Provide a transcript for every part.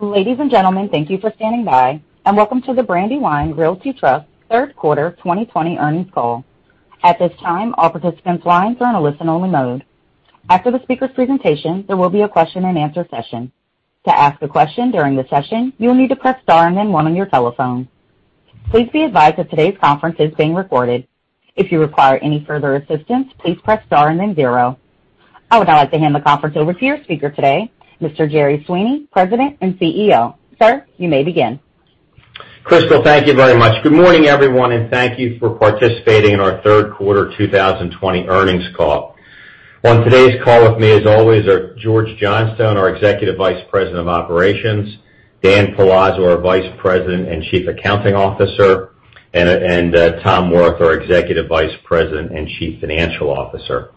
Ladies and gentlemen, thank you for standing by, and welcome to the Brandywine Realty Trust Third Quarter 2020 Earnings Call. At this time, all participants' lines are in a listen-only mode. After the speaker's presentation, there will be a question and answer session. To ask a question during the session, you'll need to press star and then one on your telephone. Please be advised that today's conference is being recorded. If you require any further assistance, please press star and then zero. I would now like to hand the conference over to your speaker today, Mr. Jerry Sweeney, President and CEO. Sir, you may begin. Crystal, thank you very much. Good morning, everyone. Thank you for participating in our third quarter 2020 earnings call. On today's call with me, as always, are George Johnstone, our Executive Vice President of Operations, Dan Palazzo, our Vice President and Chief Accounting Officer, and Tom Wirth, our Executive Vice President and Chief Financial Officer.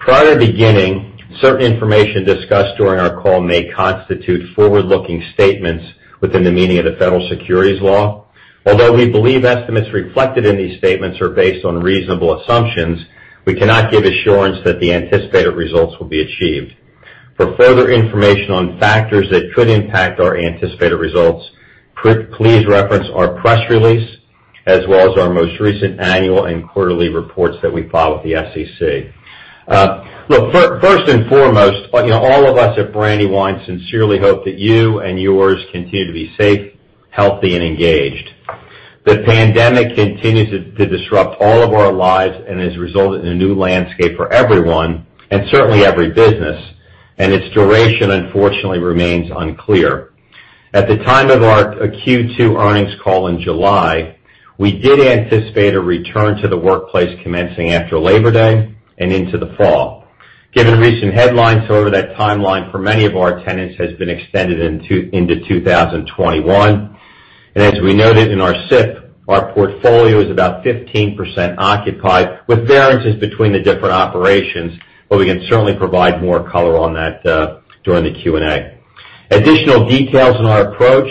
Prior to beginning, certain information discussed during our call may constitute forward-looking statements within the meaning of the federal securities law. Although we believe estimates reflected in these statements are based on reasonable assumptions, we cannot give assurance that the anticipated results will be achieved. For further information on factors that could impact our anticipated results, please reference our press release as well as our most recent annual and quarterly reports that we file with the SEC. First and foremost, all of us at Brandywine sincerely hope that you and yours continue to be safe, healthy, and engaged. The pandemic continues to disrupt all of our lives and has resulted in a new landscape for everyone, and certainly every business, and its duration, unfortunately, remains unclear. At the time of our Q2 earnings call in July, we did anticipate a return to the workplace commencing after Labor Day and into the fall. Given recent headlines, however, that timeline for many of our tenants has been extended into 2021. As we noted in our SIP, our portfolio is about 15% occupied, with variances between the different operations, but we can certainly provide more color on that during the Q&A. Additional details on our approach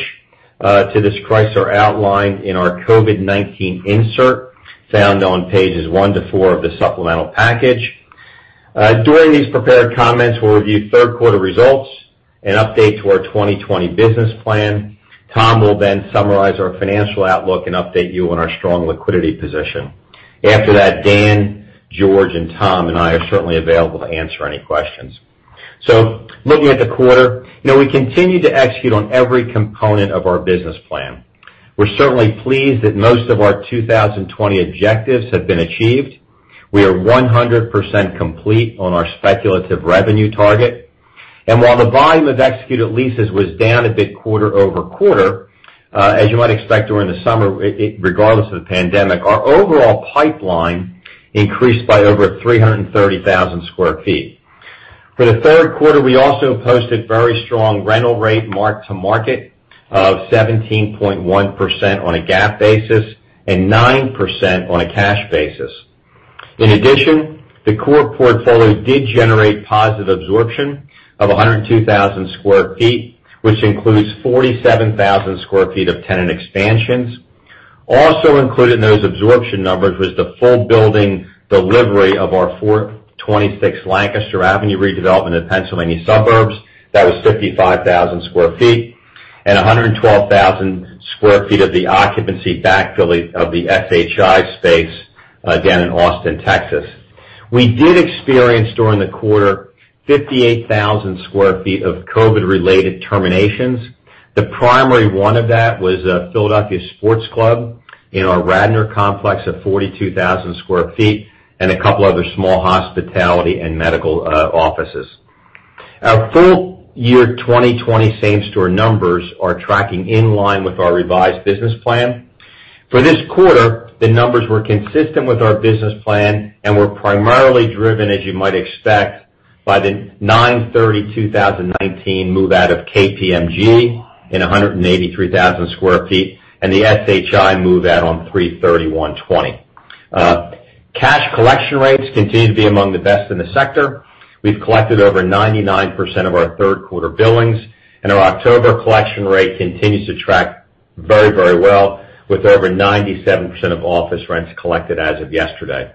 to this crisis are outlined in our COVID-19 insert, found on pages one to four of the supplemental package. During these prepared comments, we'll review third quarter results and updates to our 2020 business plan. Tom will summarize our financial outlook and update you on our strong liquidity position. After that, Dan, George, Tom, and I are certainly available to answer any questions. Looking at the quarter, we continue to execute on every component of our business plan. We're certainly pleased that most of our 2020 objectives have been achieved. We are 100% complete on our speculative revenue target. While the volume of executed leases was down a bit quarter-over-quarter, as you might expect during the summer, regardless of the pandemic, our overall pipeline increased by over 330,000 sq ft. For the third quarter, we also posted very strong rental rate mark-to-market of 17.1% on a GAAP basis and 9% on a cash basis. In addition, the core portfolio did generate positive absorption of 102,000 sq ft, which includes 47,000 sq ft of tenant expansions. Also included in those absorption numbers was the full building delivery of our 426 Lancaster Avenue redevelopment in Pennsylvania suburbs. That was 55,000 sq ft and 112,000 sq ft of the occupancy backfill of the SHI space, again in Austin, Texas. We did experience during the quarter 58,000 sq ft of COVID-related terminations. The primary one of that was Philadelphia Sports Club in our Radnor complex of 42,000 sq ft and a couple other small hospitality and medical offices. Our full-year 2020 same store numbers are tracking in line with our revised business plan. For this quarter, the numbers were consistent with our business plan and were primarily driven, as you might expect, by the 9/30/2019 move out of KPMG in 183,000 sq ft and the SHI move out on 3/31/2020. Cash collection rates continue to be among the best in the sector. We've collected over 99% of our third quarter billings, and our October collection rate continues to track very well with over 97% of office rents collected as of yesterday.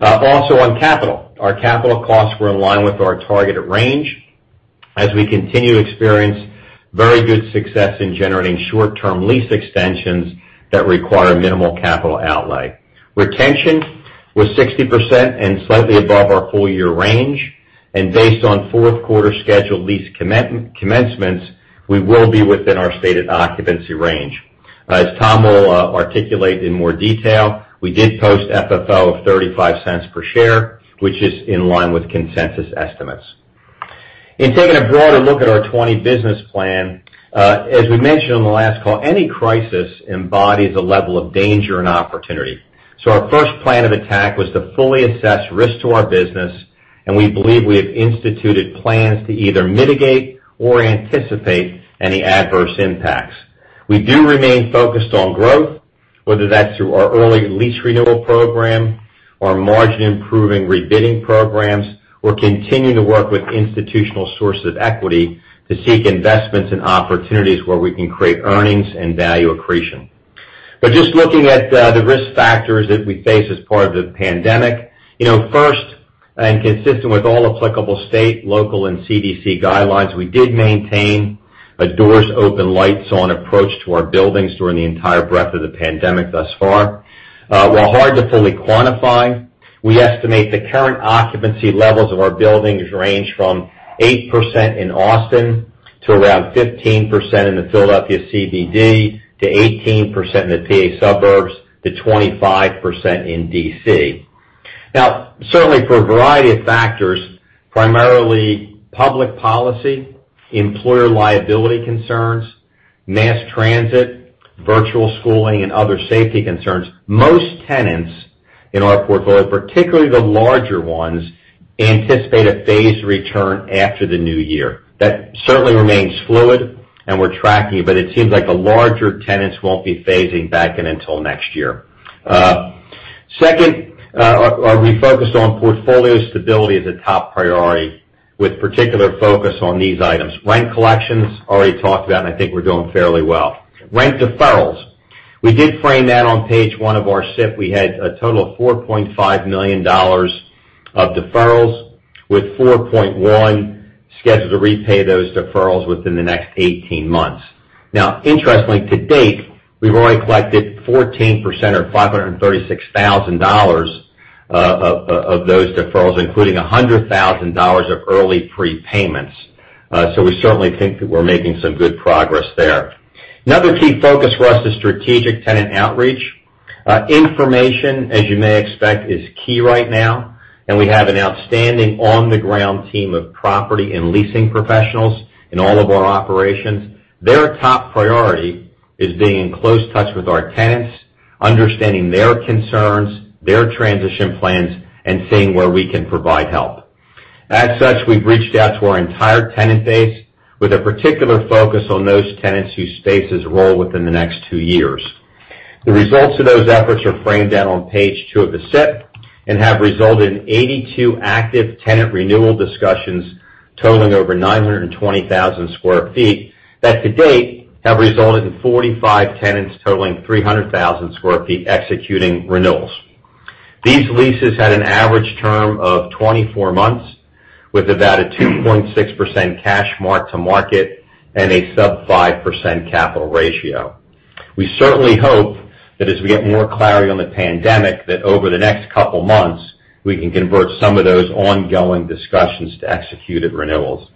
On capital, our capital costs were in line with our targeted range as we continue to experience very good success in generating short-term lease extensions that require minimal capital outlay. Retention was 60% and slightly above our full-year range. Based on fourth quarter scheduled lease commencements, we will be within our stated occupancy range. As Tom will articulate in more detail, we did post FFO of $0.35 per share, which is in line with consensus estimates. In taking a broader look at our 2020 business plan, as we mentioned on the last call, any crisis embodies a level of danger and opportunity. Our first plan of attack was to fully assess risk to our business, and we believe we have instituted plans to either mitigate or anticipate any adverse impacts. We do remain focused on growth, whether that's through our early lease renewal program, our margin improving rebidding programs, or continuing to work with institutional sources of equity to seek investments in opportunities where we can create earnings and value accretion. Just looking at the risk factors that we face as part of this pandemic. First, and consistent with all applicable state, local, and CDC guidelines, we did maintain a doors open, lights on approach to our buildings during the entire breadth of the pandemic thus far. While hard to fully quantify, we estimate the current occupancy levels of our buildings range from 8% in Austin to around 15% in the Philadelphia CBD, to 18% in the P.A. suburbs, to 25% in D.C. Certainly for a variety of factors, primarily public policy, employer liability concerns, mass transit, virtual schooling, and other safety concerns, most tenants in our portfolio, particularly the larger ones, anticipate a phased return after the new year. That certainly remains fluid, and we're tracking it, but it seems like the larger tenants won't be phasing back in until next year. Second, are we focused on portfolio stability as a top priority with particular focus on these items. Rent collections, already talked about, and I think we're doing fairly well. Rent deferrals. We did frame that on page one of our SIP. We had a total of $4.5 million of deferrals, with $4.1 scheduled to repay those deferrals within the next 18 months. Interestingly, to date, we've already collected 14% or $536,000 of those deferrals, including $100,000 of early prepayments. We certainly think that we're making some good progress there. Another key focus for us is strategic tenant outreach. Information, as you may expect, is key right now, and we have an outstanding on-the-ground team of property and leasing professionals in all of our operations. Their top priority is being in close touch with our tenants, understanding their concerns, their transition plans, and seeing where we can provide help. As such, we've reached out to our entire tenant base with a particular focus on those tenants whose spaces roll within the next two years. The results of those efforts are framed out on page two of the SIP and have resulted in 82 active tenant renewal discussions totaling over 920,000 sq ft that to date have resulted in 45 tenants totaling 300,000 sq ft executing renewals. These leases had an average term of 24 months, with about a 2.6% cash mark-to-market and a sub 5% capital ratio. We certainly hope that as we get more clarity on the pandemic, that over the next couple of months, we can convert some of those ongoing discussions to executed renewals.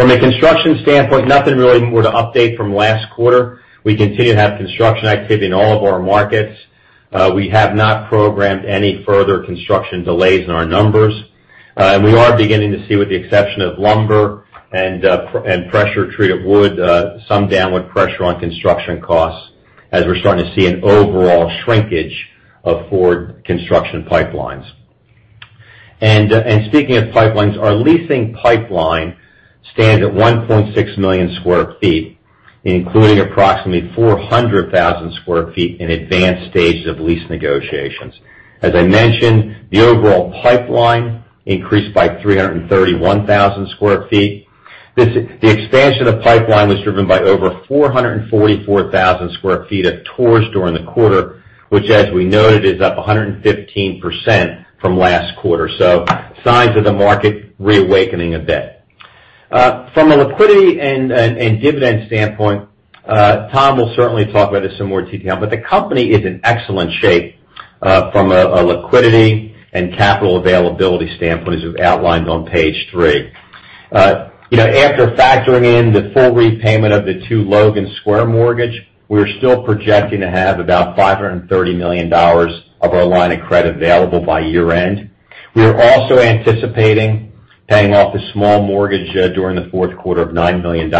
From a construction standpoint, nothing really more to update from last quarter. We continue to have construction activity in all of our markets. We have not programmed any further construction delays in our numbers. We are beginning to see, with the exception of lumber and pressure treated wood, some downward pressure on construction costs as we're starting to see an overall shrinkage of forward construction pipelines. Speaking of pipelines, our leasing pipeline stands at 1.6 million square feet, including approximately 400,000 sq ft in advanced stages of lease negotiations. As I mentioned, the overall pipeline increased by 331,000 sq ft. The expansion of pipeline was driven by over 444,000 sq ft of tours during the quarter, which as we noted, is up 115% from last quarter. Signs of the market reawakening a bit. From a liquidity and dividend standpoint, Tom will certainly talk about this in more detail, but the company is in excellent shape from a liquidity and capital availability standpoint, as we've outlined on page three. After factoring in the full repayment of the Two Logan Square mortgage, we're still projecting to have about $530 million of our line of credit available by year-end. We are also anticipating paying off a small mortgage during the fourth quarter of $9 million.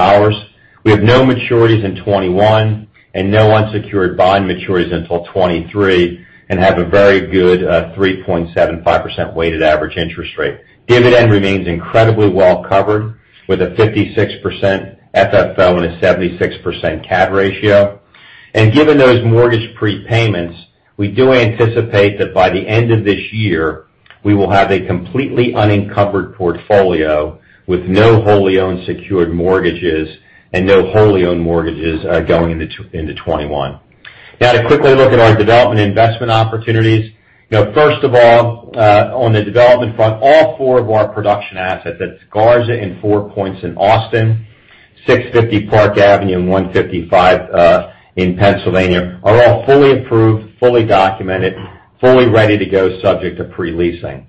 We have no maturities in 2021, no unsecured bond maturities until 2023, have a very good 3.75% weighted average interest rate. Dividend remains incredibly well covered with a 56% FFO and a 76% CAD ratio. Given those mortgage prepayments, we do anticipate that by the end of this year, we will have a completely unencumbered portfolio with no wholly owned secured mortgages and no wholly owned mortgages going into 2021. To quickly look at our development investment opportunities. First of all, on the development front, all four of our production assets, that's Garza and Four Points in Austin, 650 Park Avenue, and 155 in Pennsylvania, are all fully approved, fully documented, fully ready to go subject to pre-leasing.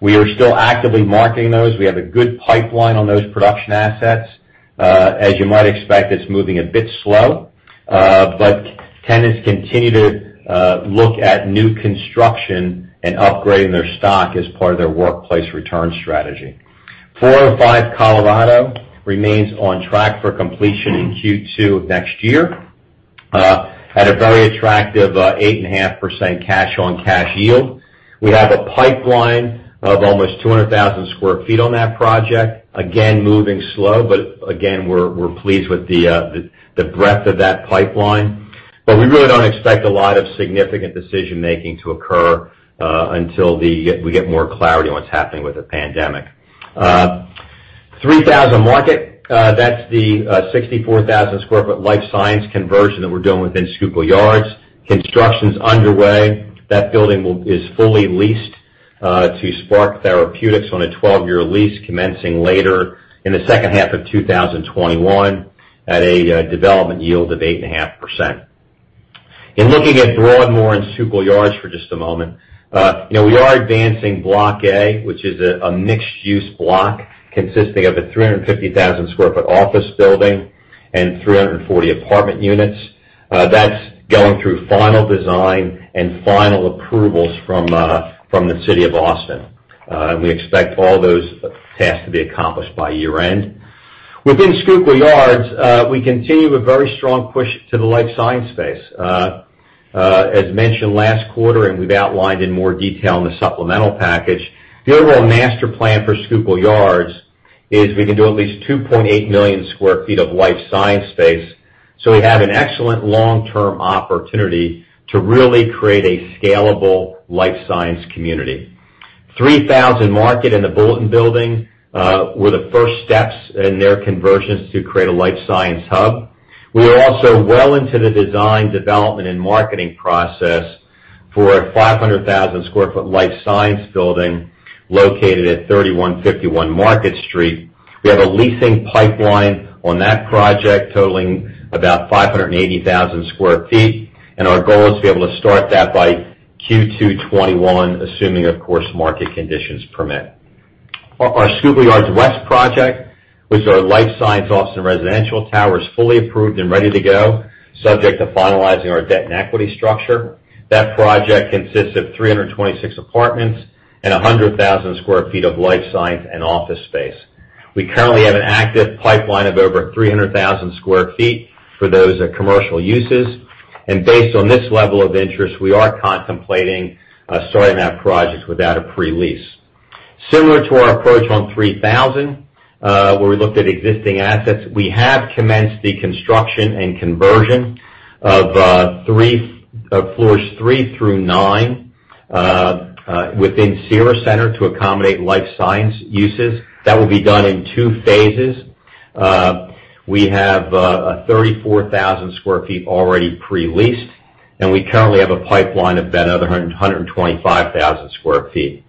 We are still actively marketing those. We have a good pipeline on those production assets. As you might expect, it's moving a bit slow. Tenants continue to look at new construction and upgrading their stock as part of their workplace return strategy. 405 Colorado remains on track for completion in Q2 of next year at a very attractive 8.5% cash on cash yield. We have a pipeline of almost 200,000 sq ft on that project. Again, moving slow, but again, we're pleased with the breadth of that pipeline. We really don't expect a lot of significant decision-making to occur until we get more clarity on what's happening with the pandemic. 3000 Market, that's the 64,000 sq ft life science conversion that we're doing within Schuylkill Yards. Construction's underway. That building is fully leased to Spark Therapeutics on a 12-year lease commencing later in the second half of 2021 at a development yield of 8.5%. In looking at Broadmoor and Schuylkill Yards for just a moment. We are advancing Block A, which is a mixed-use block consisting of a 350,000 sq ft office building and 340 apartment units. That's going through final design and final approvals from the City of Austin. We expect all those tasks to be accomplished by year-end. Within Schuylkill Yards, we continue a very strong push to the life science space. As mentioned last quarter, and we've outlined in more detail in the supplemental package, the overall master plan for Schuylkill Yards is we can do at least 2.8 million square feet of life science space. We have an excellent long-term opportunity to really create a scalable life science community. 3000 Market and The Bulletin Building were the first steps in their conversions to create a life science hub. We are also well into the design, development, and marketing process for a 500,000 sq ft life science building located at 3151 Market Street. We have a leasing pipeline on that project totaling about 580,000 sq ft, and our goal is to be able to start that by Q2 2021, assuming, of course, market conditions permit. Our Schuylkill Yards West project, which are life science and residential towers, fully approved, and ready to go, subject to finalizing our debt and equity structure. That project consists of 326 apartments and 100,000 sq ft of life science and office space. We currently have an active pipeline of over 300,000 sq ft for those commercial uses. Based on this level of interest, we are contemplating starting that project without a pre-lease. Similar to our approach on 3000, where we looked at existing assets, we have commenced the construction and conversion of floors three through nine within Cira Centre to accommodate life science uses. That will be done in two phases. We have 34,000 sq ft already pre-leased, and we currently have a pipeline of another 125,000 sq ft.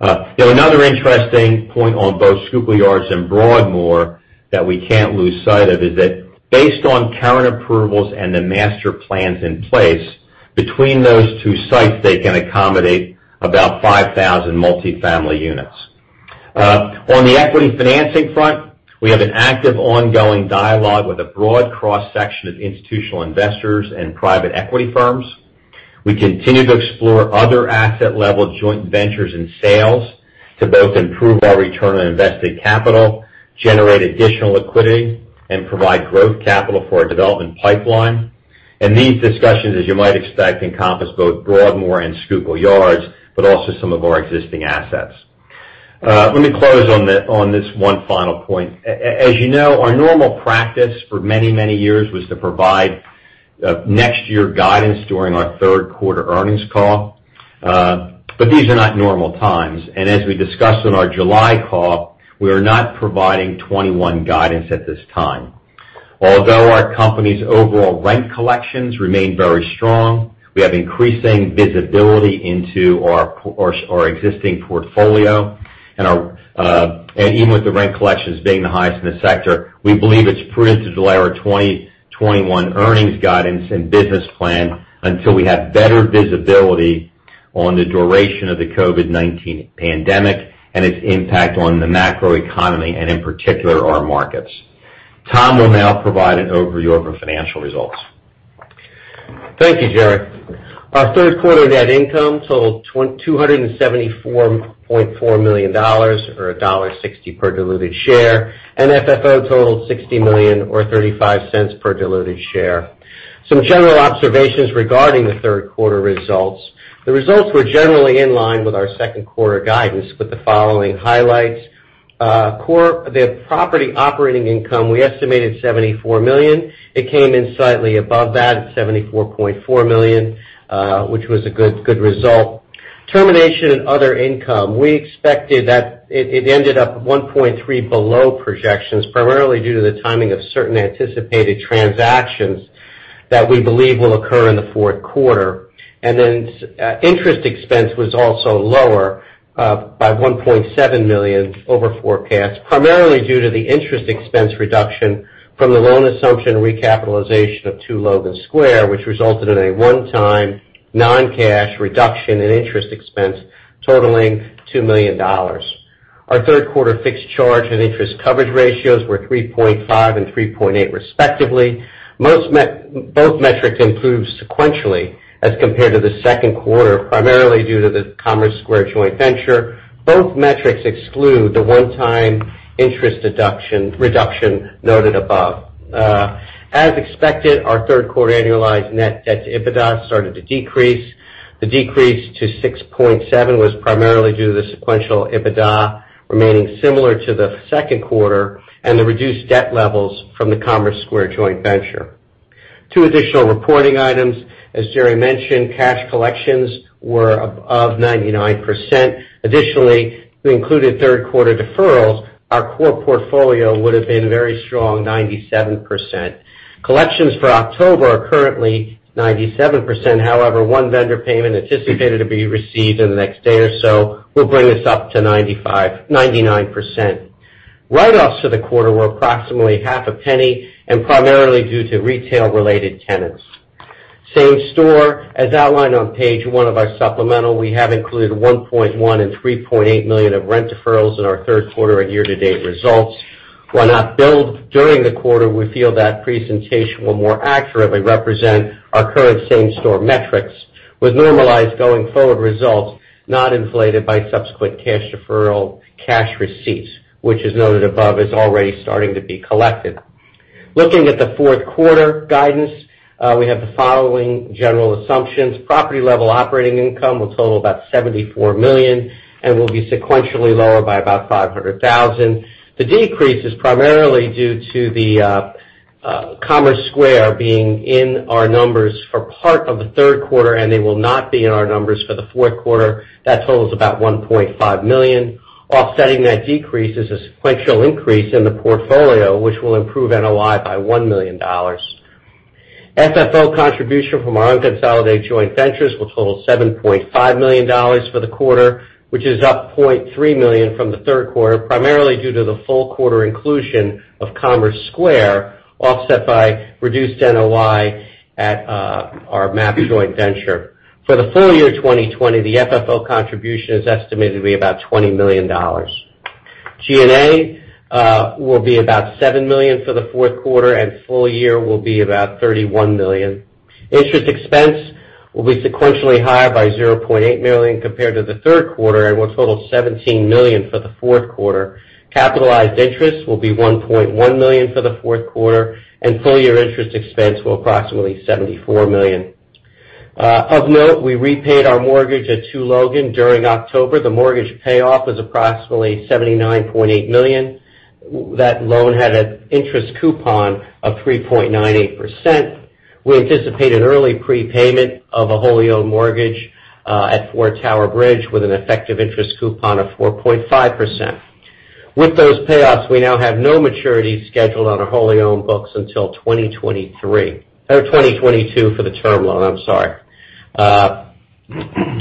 Another interesting point on both Schuylkill Yards and Broadmoor that we can't lose sight of is that based on current approvals and the master plans in place, between those two sites, they can accommodate about 5,000 multi-family units. On the equity financing front, we have an active ongoing dialogue with a broad cross-section of institutional investors and private equity firms. We continue to explore other asset-level joint ventures and sales to both improve our return on invested capital, generate additional liquidity, and provide growth capital for our development pipeline. These discussions, as you might expect, encompass both Broadmoor and Schuylkill Yards, but also some of our existing assets. Let me close on this one final point. As you know, our normal practice for many, many years was to provide next year guidance during our third quarter earnings call. These are not normal times. As we discussed on our July call, we are not providing 2021 guidance at this time. Although our company's overall rent collections remain very strong, we have increasing visibility into our existing portfolio. Even with the rent collections being the highest in the sector, we believe it's prudent to delay our 2021 earnings guidance and business plan until we have better visibility on the duration of the COVID-19 pandemic and its impact on the macro economy, and in particular, our markets. Tom will now provide an overview of our financial results. Thank you, Jerry. Our third quarter net income totaled $274.4 million, or $1.60 per diluted share, and FFO totaled $60 million or $0.35 per diluted share. Some general observations regarding the third quarter results. The results were generally in line with our second quarter guidance with the following highlights. The property operating income, we estimated $74 million. It came in slightly above that at $74.4 million, which was a good result. Termination and other income, we expected that it ended up $1.3 million below projections, primarily due to the timing of certain anticipated transactions that we believe will occur in the fourth quarter. Interest expense was also lower by $1.7 million over forecast, primarily due to the interest expense reduction from the loan assumption recapitalization of Two Logan Square, which resulted in a one-time non-cash reduction in interest expense totaling $2 million. Our third quarter fixed charge and interest coverage ratios were 3.5 and 3.8 respectively. Both metrics improved sequentially as compared to the second quarter, primarily due to the Commerce Square joint venture. Both metrics exclude the one-time interest reduction noted above. As expected, our third quarter annualized net debt to EBITDA started to decrease. The decrease to 6.7 was primarily due to the sequential EBITDA remaining similar to the second quarter and the reduced debt levels from the Commerce Square joint venture. Two additional reporting items. As Jerry mentioned, cash collections were above 99%. We included third-quarter deferrals. Our core portfolio would've been a very strong 97%. Collections for October are currently 97%. However, one vendor payment anticipated to be received in the next day or so will bring us up to 99%. Write-offs for the quarter were approximately half a penny and primarily due to retail-related tenants. Same-store, as outlined on page one of our supplemental, we have included $1.1 million and $3.8 million of rent deferrals in our third quarter and year-to-date results. While not billed during the quarter, we feel that presentation will more accurately represent our current same-store metrics with normalized going-forward results, not inflated by subsequent cash deferral cash receipts, which is noted above as already starting to be collected. Looking at the fourth quarter guidance, we have the following general assumptions. Property-level operating income will total about $74 million and will be sequentially lower by about $500,000. The decrease is primarily due to the Commerce Square being in our numbers for part of the third quarter, and they will not be in our numbers for the fourth quarter. That totals about $1.5 million. Offsetting that decrease is a sequential increase in the portfolio, which will improve NOI by $1 million. FFO contribution from our unconsolidated joint ventures will total $7.5 million for the quarter, which is up $0.3 million from the third quarter, primarily due to the full quarter inclusion of Commerce Square, offset by reduced NOI at our MAP joint venture. For the full-year 2020, the FFO contribution is estimated to be about $20 million. G&A will be about $7 million for the fourth quarter, and full-year will be about $31 million. Interest expense will be sequentially higher by $0.8 million compared to the third quarter and will total $17 million for the fourth quarter. Capitalized interest will be $1.1 million for the fourth quarter, and full-year interest expense will approximately $74 million. Of note, we repaid our mortgage at Two Logan during October. The mortgage payoff is approximately $79.8 million. That loan had an interest coupon of 3.98%. We anticipate an early prepayment of a wholly owned mortgage at Four Tower Bridge with an effective interest coupon of 4.5%. With those payoffs, we now have no maturities scheduled on our wholly owned books until 2022 for the term loan.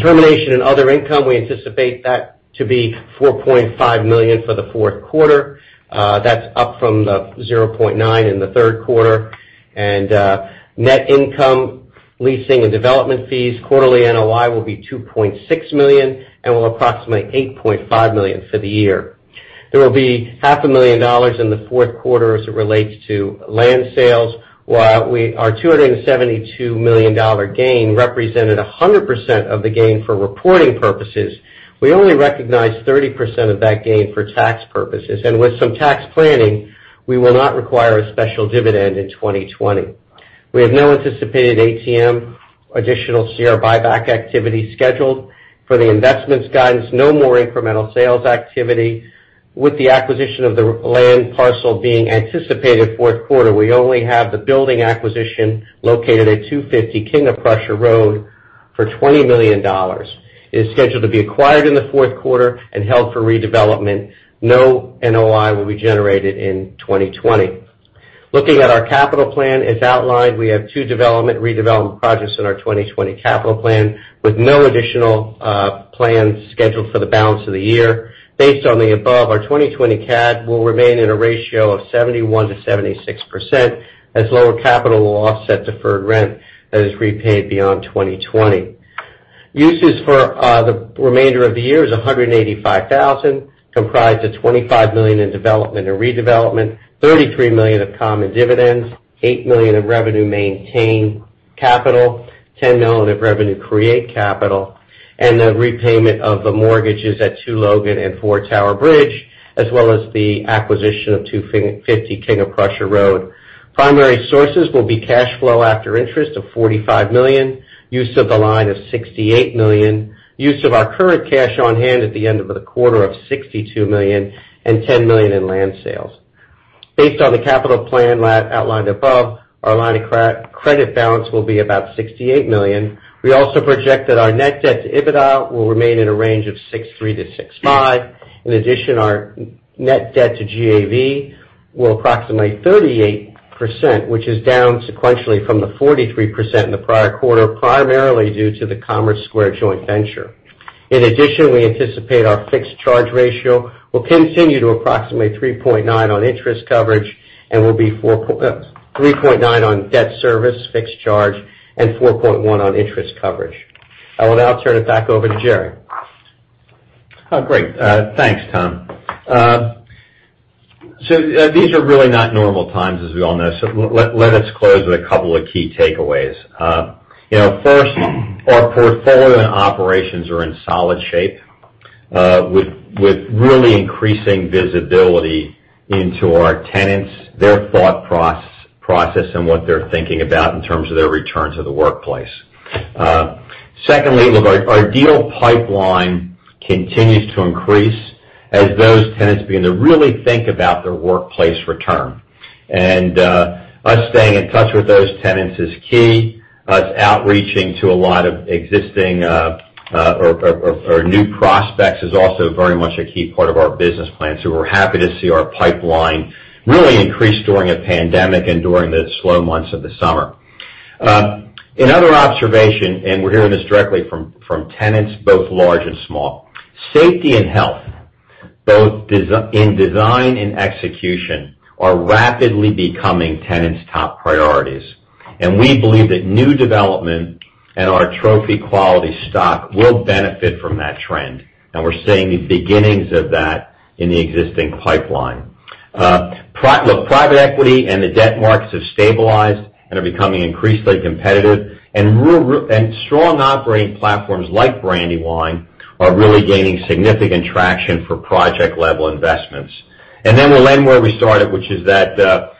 Termination and other income, we anticipate that to be $4.5 million for the fourth quarter. That's up from the $0.9 in the third quarter. Net income leasing and development fees quarterly NOI will be $2.6 million and will approximate $8.5 million for the year. There will be $500,000 in the fourth quarter as it relates to land sales, while our $272 million gain represented 100% of the gain for reporting purposes. We only recognized 30% of that gain for tax purposes, and with some tax planning, we will not require a special dividend in 2020. We have no anticipated ATM additional share buyback activity scheduled. For the investments guidance, no more incremental sales activity. With the acquisition of the land parcel being anticipated fourth quarter, we only have the building acquisition located at 250 King of Prussia Road for $20 million. It is scheduled to be acquired in the fourth quarter and held for redevelopment. No NOI will be generated in 2020. Looking at our capital plan as outlined, we have two development/redevelopment projects in our 2020 capital plan, with no additional plans scheduled for the balance of the year. Based on the above, our 2020 CAD will remain in a ratio of 71%-76%, as lower capital will offset deferred rent that is repaid beyond 2020. Uses for the remainder of the year is $185 million, comprised of $25 million in development and redevelopment, $33 million of common dividends, $8 million of revenue maintain capital, $10 million of revenue create capital, and the repayment of the mortgages at Two Logan and Four Tower Bridge, as well as the acquisition of 250 King of Prussia Road. Primary sources will be cash flow after interest of $45 million, use of the line of $68 million, use of our current cash on hand at the end of the quarter of $62 million, and $10 million in land sales. Based on the capital plan outlined above, our line of credit balance will be about $68 million. We also project that our net debt to EBITDA will remain in a range of 6.3-6.5. Our net debt to GAV will approximate 38%, which is down sequentially from the 43% in the prior-quarter, primarily due to the Commerce Square joint venture. We anticipate our fixed charge ratio will continue to approximate 3.9 on interest coverage and will be 3.9 on debt service fixed charge and 4.1 on interest coverage. I will now turn it back over to Jerry. Oh, great. Thanks, Tom. These are really not normal times, as we all know. Let us close with a couple of key takeaways. First, our portfolio and operations are in solid shape, with really increasing visibility into our tenants, their thought process, and what they're thinking about in terms of their return to the workplace. Secondly, look, our deal pipeline continues to increase as those tenants begin to really think about their workplace return. Us staying in touch with those tenants is key. Us outreaching to a lot of existing or new prospects is also very much a key part of our business plan. We're happy to see our pipeline really increase during a pandemic and during the slow months of the summer. Another observation, we're hearing this directly from tenants, both large and small. Safety and health, both in design and execution, are rapidly becoming tenants' top priorities. We believe that new development and our trophy quality stock will benefit from that trend. We're seeing the beginnings of that in the existing pipeline. Look, private equity and the debt markets have stabilized and are becoming increasingly competitive. Strong operating platforms like Brandywine are really gaining significant traction for project-level investments. Then we'll end where we started, which is that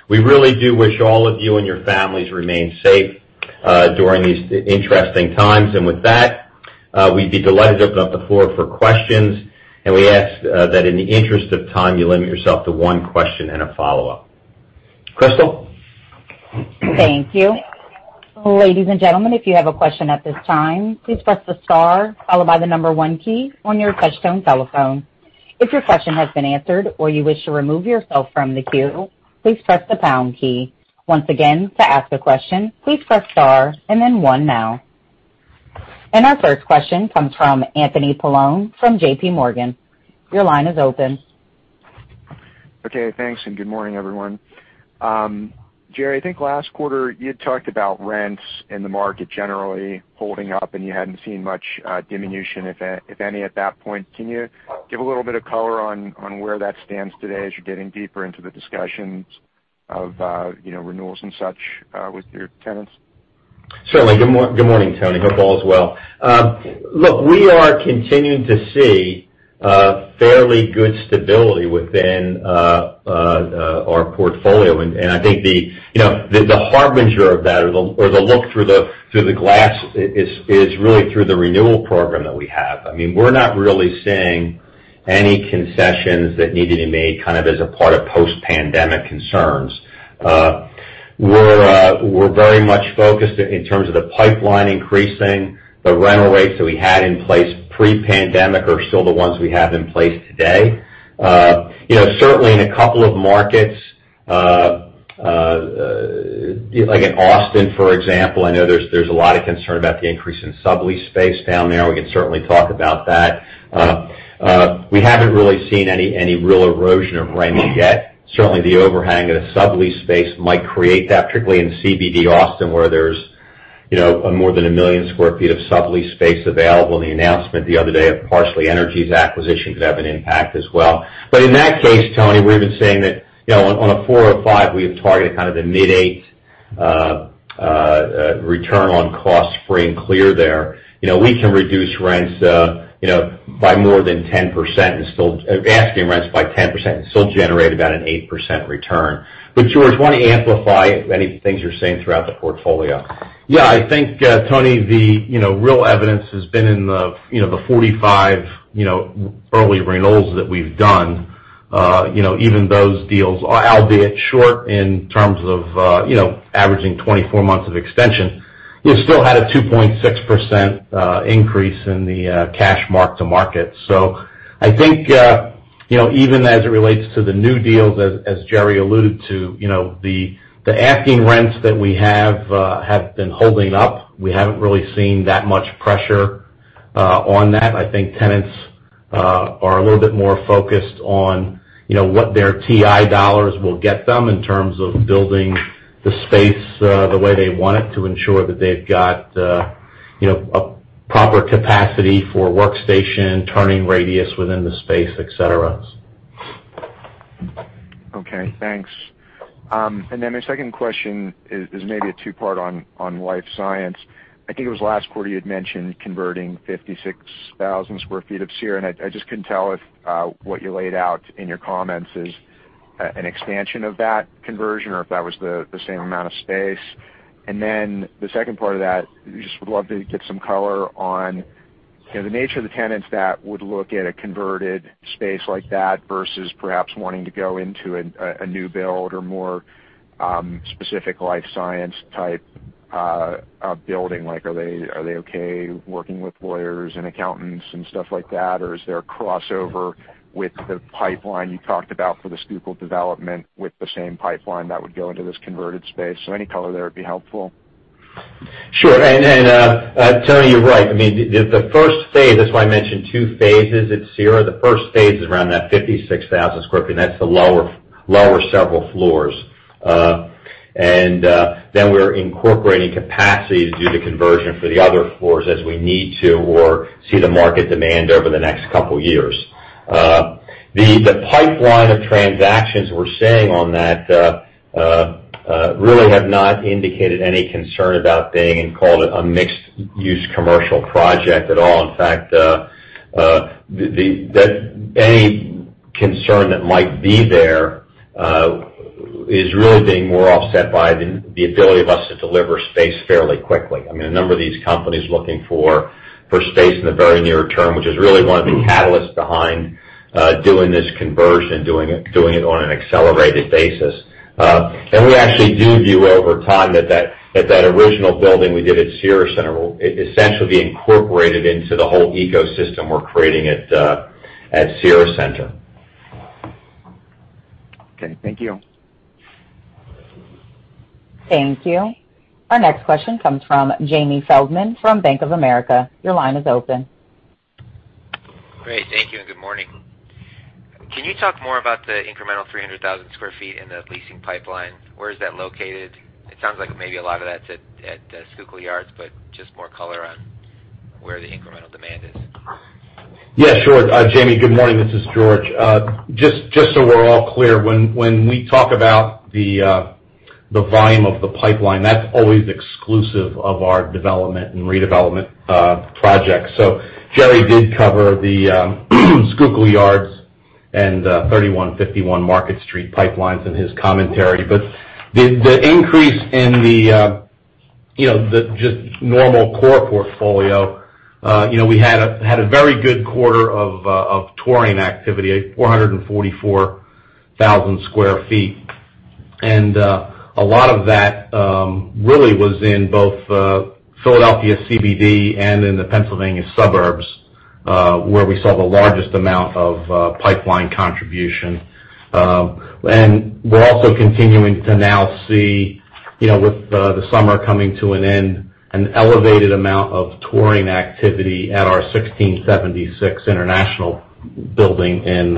we really do wish all of you and your families remain safe during these interesting times. With that, we'd be delighted to open up the floor for questions. We ask that in the interest of time, you limit yourself to one question and a follow-up. Crystal? Thank you. Ladies and gentlemen, if you have a question at this time, please press star followed by the number one key on your touchtone telephone. If your question has been answered or you wish to remove yourself from the queue, please press the pound key. Once again, to ask a question, please press star and then one now. Our first question comes from Anthony Paolone from JPMorgan. Your line is open. Okay, thanks, and good morning, everyone. Jerry, I think last quarter you had talked about rents in the market generally holding up, and you hadn't seen much diminution, if any, at that point. Can you give a little bit of color on where that stands today as you're getting deeper into the discussions of renewals and such with your tenants? Certainly. Good morning, Tony. Hope all is well. Look, we are continuing to see fairly good stability within our portfolio. I think the harbinger of that or the look through the glass is really through the renewal program that we have. We're not really seeing any concessions that needed to be made as a part of post-pandemic concerns. We're very much focused in terms of the pipeline increasing. The rental rates that we had in place pre-pandemic are still the ones we have in place today. Certainly in a couple of markets, like in Austin, for example, I know there's a lot of concern about the increase in sublease space down there. We can certainly talk about that. We haven't really seen any real erosion of rent yet. The overhang of the sublease space might create that, particularly in CBD Austin, where there's more than 1 million square feet of sublease space available, and the announcement the other day of Parsley Energy's acquisition could have an impact as well. In that case, Tony, we've been saying that on a 405, we have targeted kind of the mid-8% return on costs free and clear there. We can reduce asking rents by 10% and still generate about an 8% return. George, why don't you amplify any things you're seeing throughout the portfolio? Yeah. I think, Tony, the real evidence has been in the 45 early renewals that we've done. Even those deals, albeit short in terms of averaging 24 months of extension, still had a 2.6% increase in the cash mark-to-market. I think even as it relates to the new deals as Jerry alluded to, the asking rents that we have been holding up. We haven't really seen that much pressure on that. I think tenants are a little bit more focused on what their TI dollars will get them in terms of building the space the way they want it to ensure that they've got a proper capacity for workstation, turning radius within the space, et cetera. Okay, thanks. My second question is maybe a two-part on life science. I think it was last quarter you had mentioned converting 56,000 sq ft of Cira. I just couldn't tell if what you laid out in your comments is an expansion of that conversion or if that was the same amount of space. The second part of that, we just would love to get some color on the nature of the tenants that would look at a converted space like that versus perhaps wanting to go into a new build or more specific life science type building. Are they okay working with lawyers and accountants and stuff like that? Is there a crossover with the pipeline you talked about for the Schuylkill development with the same pipeline that would go into this converted space? Any color there would be helpful. Sure. Tony, you're right. The first phase, that's why I mentioned two phases at Cira. The first phase is around that 56,000 sq ft, and that's the lower several floors. Then we're incorporating capacity to do the conversion for the other floors as we need to or see the market demand over the next couple of years. The pipeline of transactions we're seeing on that really have not indicated any concern about being called a mixed-use commercial project at all. In fact, any concern that might be there is really being more offset by the ability of us to deliver space fairly quickly. A number of these companies looking for space in the very near-term, which is really one of the catalysts behind doing this conversion, doing it on an accelerated basis. We actually do view over time that that original building we did at Cira Centre will essentially be incorporated into the whole ecosystem we're creating at Cira Centre. Okay, thank you. Thank you. Our next question comes from Jamie Feldman from Bank of America. Your line is open. Great. Thank you, and good morning. Can you talk more about the incremental 300,000 sq ft in the leasing pipeline? Where is that located? It sounds like maybe a lot of that's at Schuylkill Yards, but just more color on where the incremental demand is. Yeah, sure. Jamie, good morning. This is George. Just so we're all clear, when we talk about the volume of the pipeline, that's always exclusive of our development and redevelopment projects. Jerry did cover the Schuylkill Yards and 3151 Market Street pipelines in his commentary. The increase in the just normal core portfolio, we had a very good quarter of touring activity, 444,000 sq ft. A lot of that really was in both Philadelphia CBD and in the Pennsylvania suburbs, where we saw the largest amount of pipeline contribution. We're also continuing to now see, with the summer coming to an end, an elevated amount of touring activity at our 1676 International building in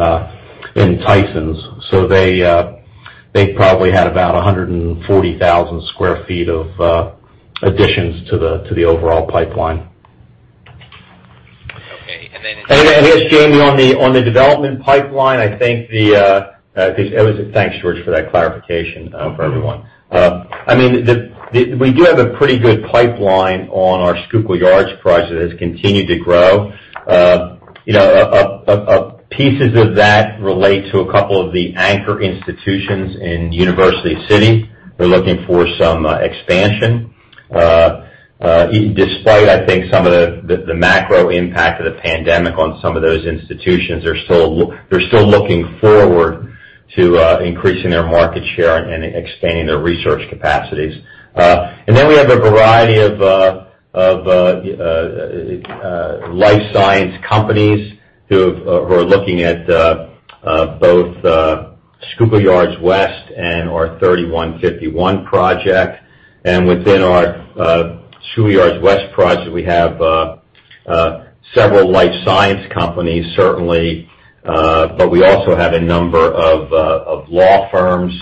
Tysons. They probably had about 140,000 sq ft of additions to the overall pipeline. Yes, Jamie, on the development pipeline. Thanks, George, for that clarification for everyone. We do have a pretty good pipeline on our Schuylkill Yards project that has continued to grow. Pieces of that relate to a couple of the anchor institutions in University City. We're looking for some expansion. Despite, I think, some of the macro impact of the pandemic on some of those institutions, they're still looking forward to increasing their market share and expanding their research capacities. Then we have a variety of life science companies who are looking at both Schuylkill Yards West and our 3151 project. Within our Schuylkill Yards West project, we have several life science companies, certainly, but we also have a number of law firms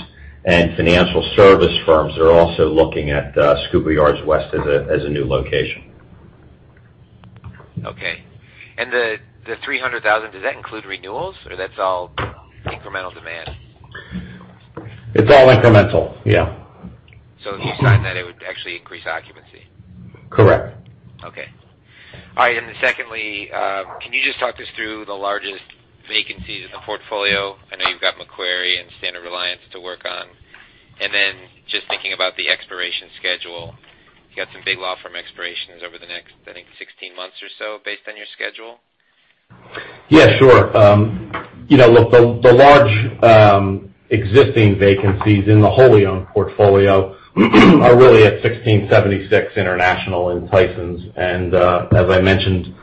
and financial service firms that are also looking at Schuylkill Yards West as a new location. Okay. The 300,000, does that include renewals, or that's all incremental demand? It's all incremental. Yeah. If you sign that, it would actually increase occupancy. Correct. Okay. All right. Secondly, can you just talk us through the largest vacancies in the portfolio? I know you've got Macquarie and Standard Reliance to work on. Just thinking about the expiration schedule, you've got some big law firm expirations over the next, I think, 16 months or so based on your schedule. Yeah, sure. Look, the large existing vacancies in the wholly owned portfolio are really at 1676 International in Tysons. As I mentioned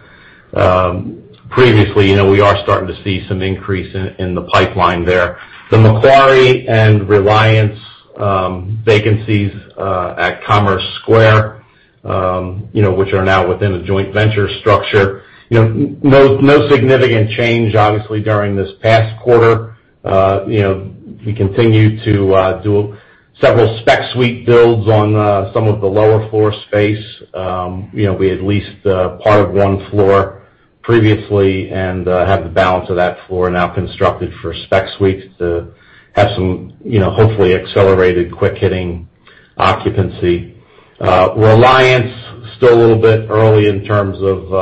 previously, we are starting to see some increase in the pipeline there. The Macquarie and Reliance vacancies at Commerce Square, which are now within a joint venture structure. No significant change, obviously, during this past quarter. We continue to do several spec suite builds on some of the lower floor space. We had leased part of one floor previously and have the balance of that floor now constructed for spec suites to have some hopefully accelerated quick-hitting occupancy. Reliance, still a little bit early in terms of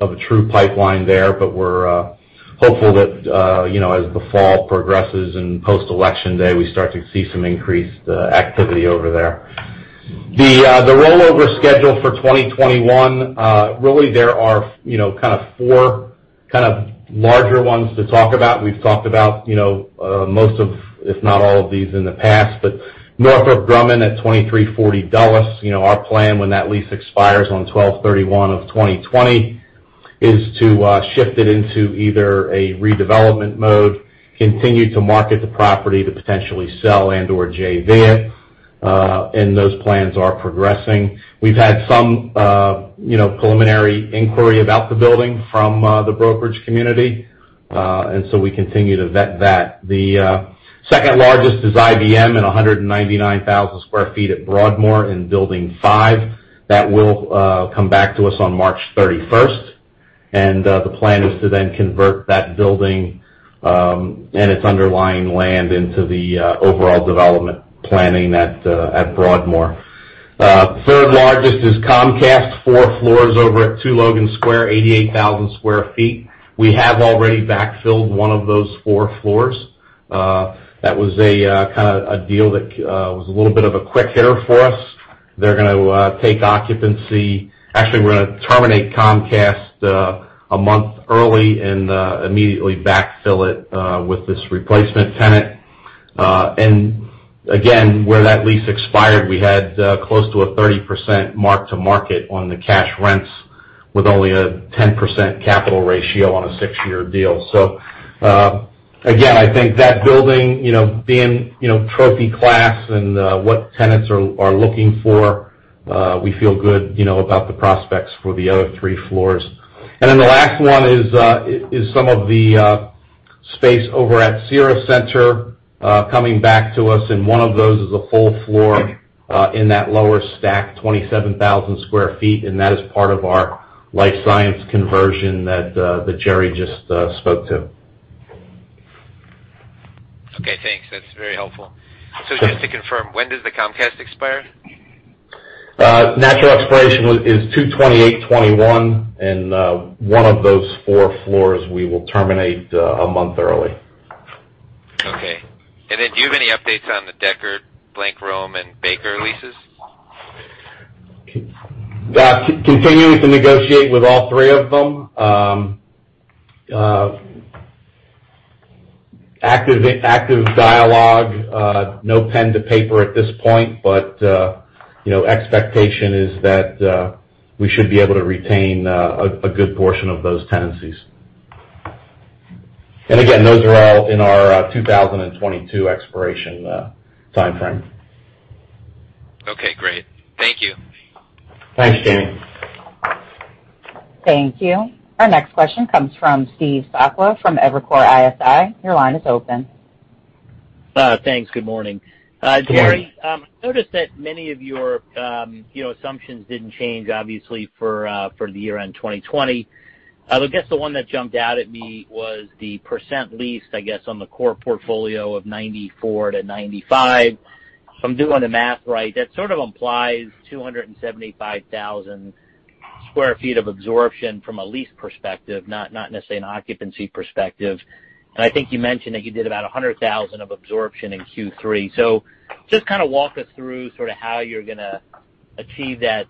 a true pipeline there, but we're hopeful that as the fall progresses and post-Election Day, we start to see some increased activity over there. The rollover schedule for 2021, really there are kind of four larger ones to talk about. We've talked about most of, if not all of these in the past. Northrop Grumman at 2340 Dulles, our plan when that lease expires on 12/31/2020 is to shift it into either a redevelopment mode, continue to market the property to potentially sell and/or JV it. Those plans are progressing. We've had some preliminary inquiry about the building from the brokerage community, we continue to vet that. The second largest is IBM and 199,000 sq ft at Broadmoor in building five. That will come back to us on March 31st, the plan is to then convert that building and its underlying land into the overall development planning at Broadmoor. The third largest is Comcast, four floors over at Two Logan Square, 88,000 sq ft. We have already backfilled one of those four floors. That was a deal that was a little bit of a quick hitter for us. They're going to take occupancy. Actually, we're going to terminate Comcast a month early and immediately backfill it with this replacement tenant. Where that lease expired, we had close to a 30% mark-to-market on the cash rents with only a 10% capital ratio on a six-year deal. I think that building, being trophy class and what tenants are looking for, we feel good about the prospects for the other three floors. The last one is some of the space over at Cira Centre coming back to us, and one of those is a whole floor in that lower stack, 27,000 sq ft, and that is part of our life science conversion that Jerry just spoke to. Okay, thanks. That's very helpful. Just to confirm, when does the Comcast expire? Natural expiration is 2/28/2021, and one of those four floors we will terminate a month early. Okay. Do you have any updates on the Dechert, Blank Rome, and Baker leases? Continuing to negotiate with all three of them. Active dialogue. No pen to paper at this point, but expectation is that we should be able to retain a good portion of those tenancies. Again, those are all in our 2022 expiration timeframe. Okay, great. Thank you. Thanks, Danny. Thank you. Our next question comes from Steve Sakwa from Evercore ISI. Your line is open. Thanks. Good morning. Good morning. Jerry, I noticed that many of your assumptions didn't change, obviously, for the year-end 2020. I guess the one that jumped out at me was the percent leased, I guess, on the core portfolio of 94%-95%. If I'm doing the math right, that sort of implies 275,000 sq ft of absorption from a lease perspective, not necessarily an occupancy perspective. I think you mentioned that you did about 100,000 of absorption in Q3. Just kind of walk us through sort of how you're going to achieve that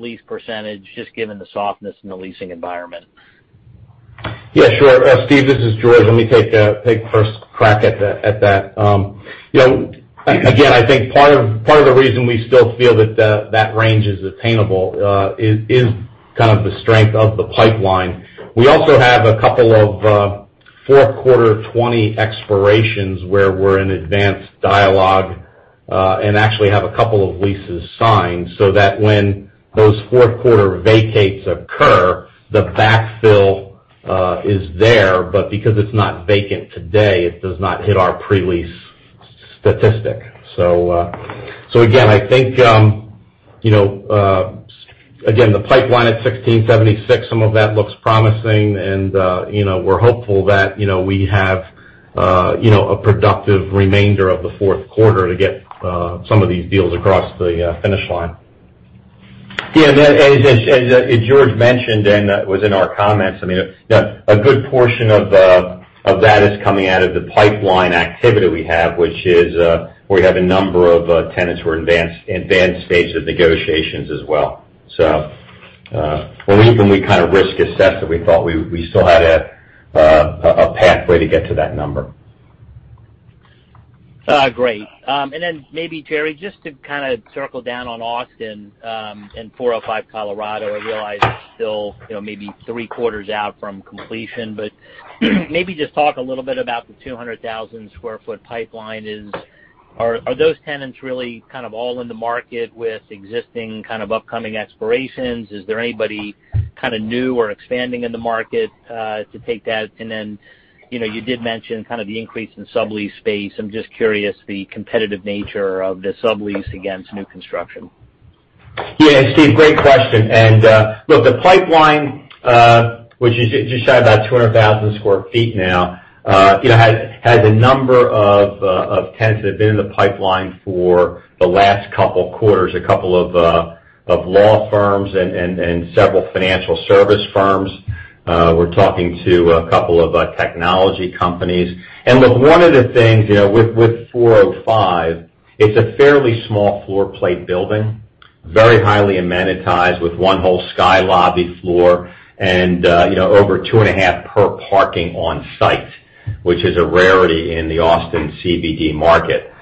lease percentage, just given the softness in the leasing environment. Sure. Steve, this is George. Let me take first crack at that. Again, I think part of the reason we still feel that range is attainable is kind of the strength of the pipeline. We also have a couple of fourth quarter 2020 expirations where we're in advanced dialogue and actually have a couple of leases signed, so that when those fourth quarter vacates occur, the backfill is there. Because it's not vacant today, it does not hit our pre-lease statistic. Again, I think the pipeline at 1676, some of that looks promising, and we're hopeful that we have a productive remainder of the fourth quarter to get some of these deals across the finish line. Yeah. As George mentioned, and that was in our comments, I mean, a good portion of that is coming out of the pipeline activity we have, which is we have a number of tenants who are in advanced stages of negotiations as well. When we kind of risk assess it, we thought we still had a pathway to get to that number. Great. Maybe, Jerry, just to kind of circle down on Austin and 405 Colorado, I realize it's still maybe three quarters out from completion, but maybe just talk a little bit about the 200,000 sq ft pipeline. Are those tenants really kind of all in the market with existing kind of upcoming expirations? Is there anybody kind of new or expanding in the market to take that? You did mention kind of the increase in sublease space. I'm just curious, the competitive nature of the sublease against new construction. Yeah, Steve, great question. Look, the pipeline which is just shy of about 200,000 sq ft now, has a number of tenants that have been in the pipeline for the last couple of quarters, a couple of law firms and several financial service firms. We're talking to a couple of technology companies. Look, one of the things with 405, it's a fairly small floor plate building, very highly amenitized with one whole sky lobby floor and over 2.5 per parking on site, which is a rarity in the Austin CBD market.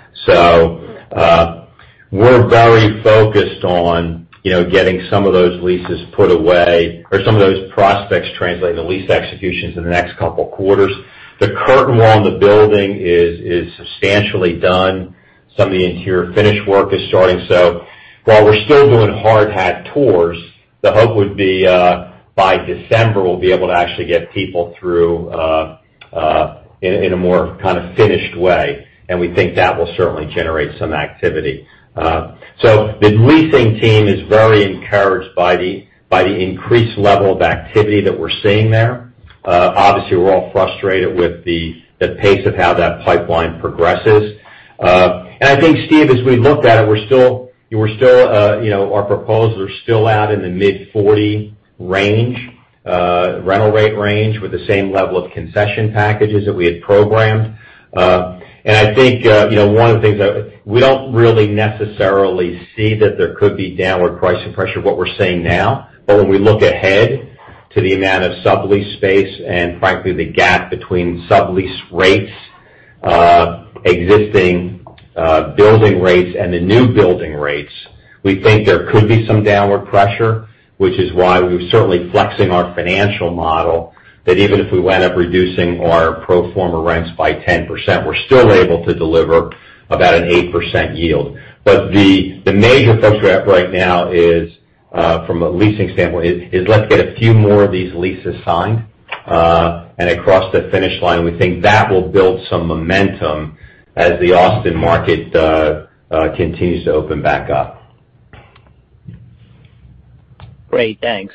We're very focused on getting some of those leases put away or some of those prospects translating to lease executions in the next couple of quarters. The curtain wall in the building is substantially done. Some of the interior finish work is starting. While we're still doing hard hat tours, the hope would be by December, we'll be able to actually get people through in a more kind of finished way, and we think that will certainly generate some activity. The leasing team is very encouraged by the increased level of activity that we're seeing there. Obviously, we're all frustrated with the pace of how that pipeline progresses. I think, Steve, as we looked at it, our proposals are still out in the mid-40 range, rental rate range, with the same level of concession packages that we had programmed. I think, one of the things that we don't really necessarily see that there could be downward pricing pressure, what we're seeing now. When we look ahead to the amount of sublease space, and frankly, the gap between sublease rates, existing building rates, and the new building rates, we think there could be some downward pressure, which is why we're certainly flexing our financial model, that even if we wind up reducing our pro forma rents by 10%, we're still able to deliver about an 8% yield. The major focus we have right now is, from a leasing standpoint, is let's get a few more of these leases signed, and across the finish line. We think that will build some momentum as the Austin market continues to open back up. Great. Thanks.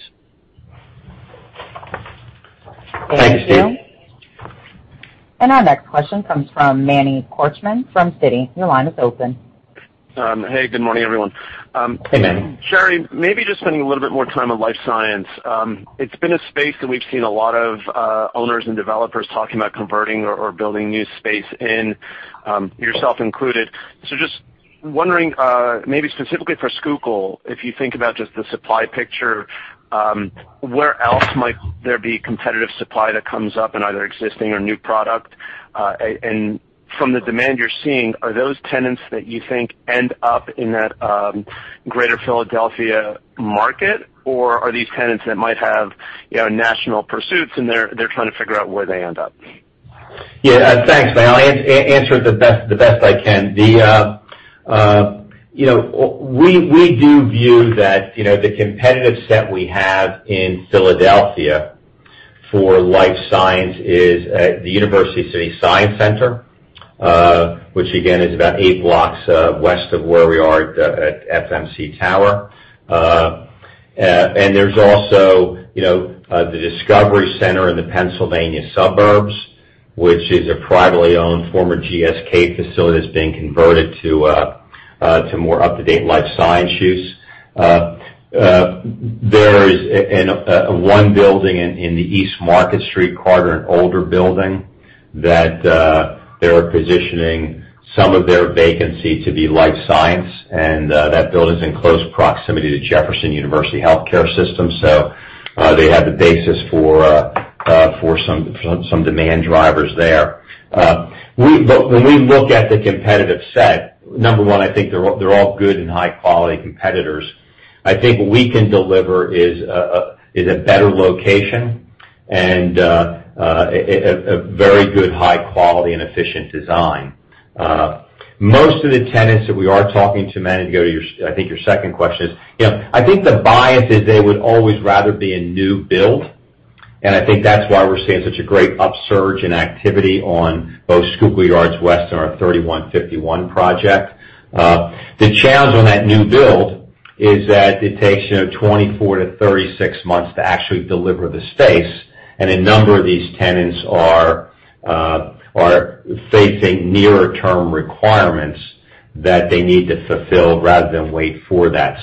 Thank you, Steve. Our next question comes from Manny Korchman from Citi. Your line is open. Hey, good morning, everyone. Hey, Manny. Jerry, maybe just spending a little bit more time on life science. It's been a space that we've seen a lot of owners and developers talking about converting or building new space in, yourself included. Just wondering, maybe specifically for Schuylkill, if you think about just the supply picture, where else might there be competitive supply that comes up in either existing or new product? From the demand you're seeing, are those tenants that you think end up in that greater Philadelphia market, or are these tenants that might have national pursuits, and they're trying to figure out where they end up? Thanks, Manny. I'll answer it the best I can. We do view that the competitive set we have in Philadelphia for life science is at the University City Science Center, which again, is about eight blocks west of where we are at FMC Tower. There's also the Discovery Center in the Pennsylvania suburbs, which is a privately owned former GSK facility that's being converted to more up-to-date life science use. There is one building in the East Market Street corridor, an older building, that they're positioning some of their vacancy to be life science, and that building's in close proximity to Jefferson University Healthcare system. They have the basis for some demand drivers there. When we look at the competitive set, number one, I think they're all good and high-quality competitors. I think what we can deliver is a better location, and a very good high quality and efficient design. Most of the tenants that we are talking to, Manny, to go to, I think, your second question is, I think the buy-in is they would always rather be a new build, and I think that's why we're seeing such a great upsurge in activity on both Schuylkill Yards West and our 3151 project. The challenge on that new build is that it takes 24-36 months to actually deliver the space, and a number of these tenants are facing nearer-term requirements that they need to fulfill rather than wait for that.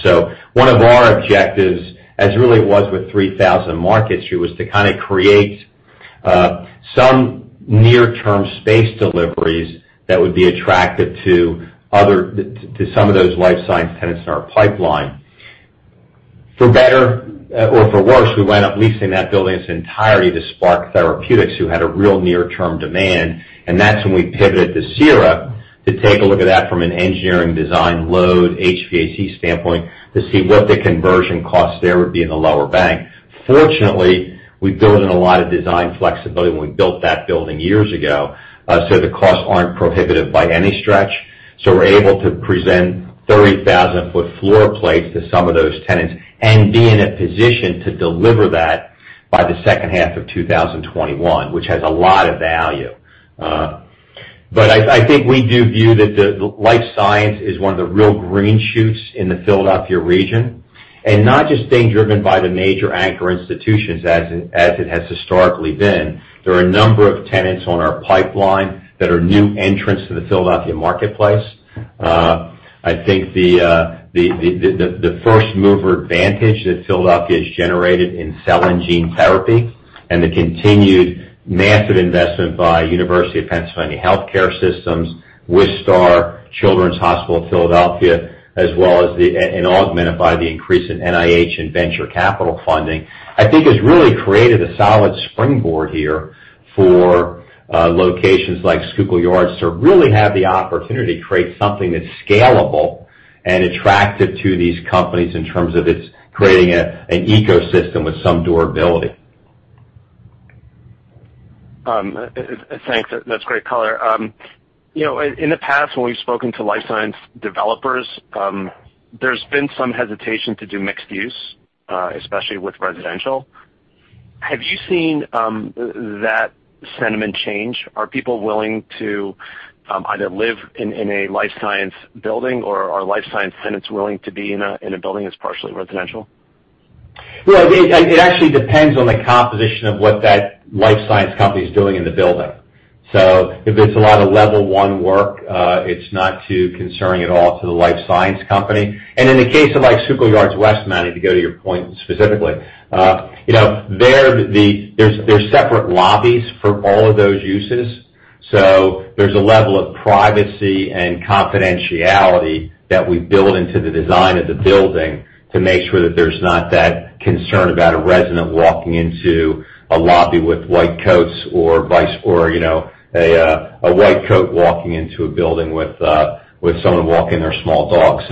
One of our objectives, as really it was with 3000 Market Street, was to kind of create some near-term space deliveries that would be attractive to some of those life science tenants in our pipeline. For better or for worse, we wound up leasing that building's entirety to Spark Therapeutics, who had a real near-term demand, and that's when we pivoted to Cira to take a look at that from an engineering design load, HVAC standpoint, to see what the conversion cost there would be in the lower Bank. Fortunately, we built in a lot of design flexibility when we built that building years ago, so the costs aren't prohibitive by any stretch. We're able to present 30,000 sq ft floor plates to some of those tenants and be in a position to deliver that by the second half of 2021, which has a lot of value. I think we do view that the life science is one of the real green shoots in the Philadelphia region, and not just being driven by the major anchor institutions as it has historically been. There are a number of tenants on our pipeline that are new entrants to the Philadelphia marketplace. I think the first-mover advantage that Philadelphia has generated in cell and gene therapy, and the continued massive investment by University of Pennsylvania Health System, Wistar, Children's Hospital of Philadelphia, and augmented by the increase in NIH and venture capital funding, I think has really created a solid springboard here for locations like Schuylkill Yards to really have the opportunity to create something that's scalable and attractive to these companies in terms of it's creating an ecosystem with some durability. Thanks. That's great color. In the past, when we've spoken to life science developers, there's been some hesitation to do mixed use, especially with residential. Have you seen that sentiment change? Are people willing to either live in a life science building or are life science tenants willing to be in a building that's partially residential? Well, it actually depends on the composition of what that life science company's doing in the building. If it's a lot of level one work, it's not too concerning at all to the life science company. In the case of Schuylkill Yards West, Manny, to go to your point specifically, there's separate lobbies for all of those uses. There's a level of privacy and confidentiality that we've built into the design of the building to make sure that there's not that concern about a resident walking into a lobby with white coats or a white coat walking into a building with someone walking their small dog.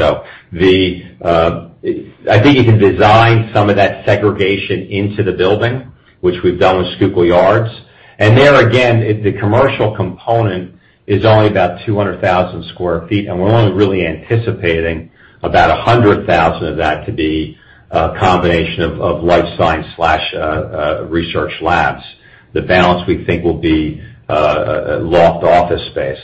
I think you can design some of that segregation into the building, which we've done with Schuylkill Yards. There, again, the commercial component is only about 200,000 sq ft, and we're only really anticipating about 100,000 of that to be a combination of life science/research labs. The balance, we think, will be loft office space.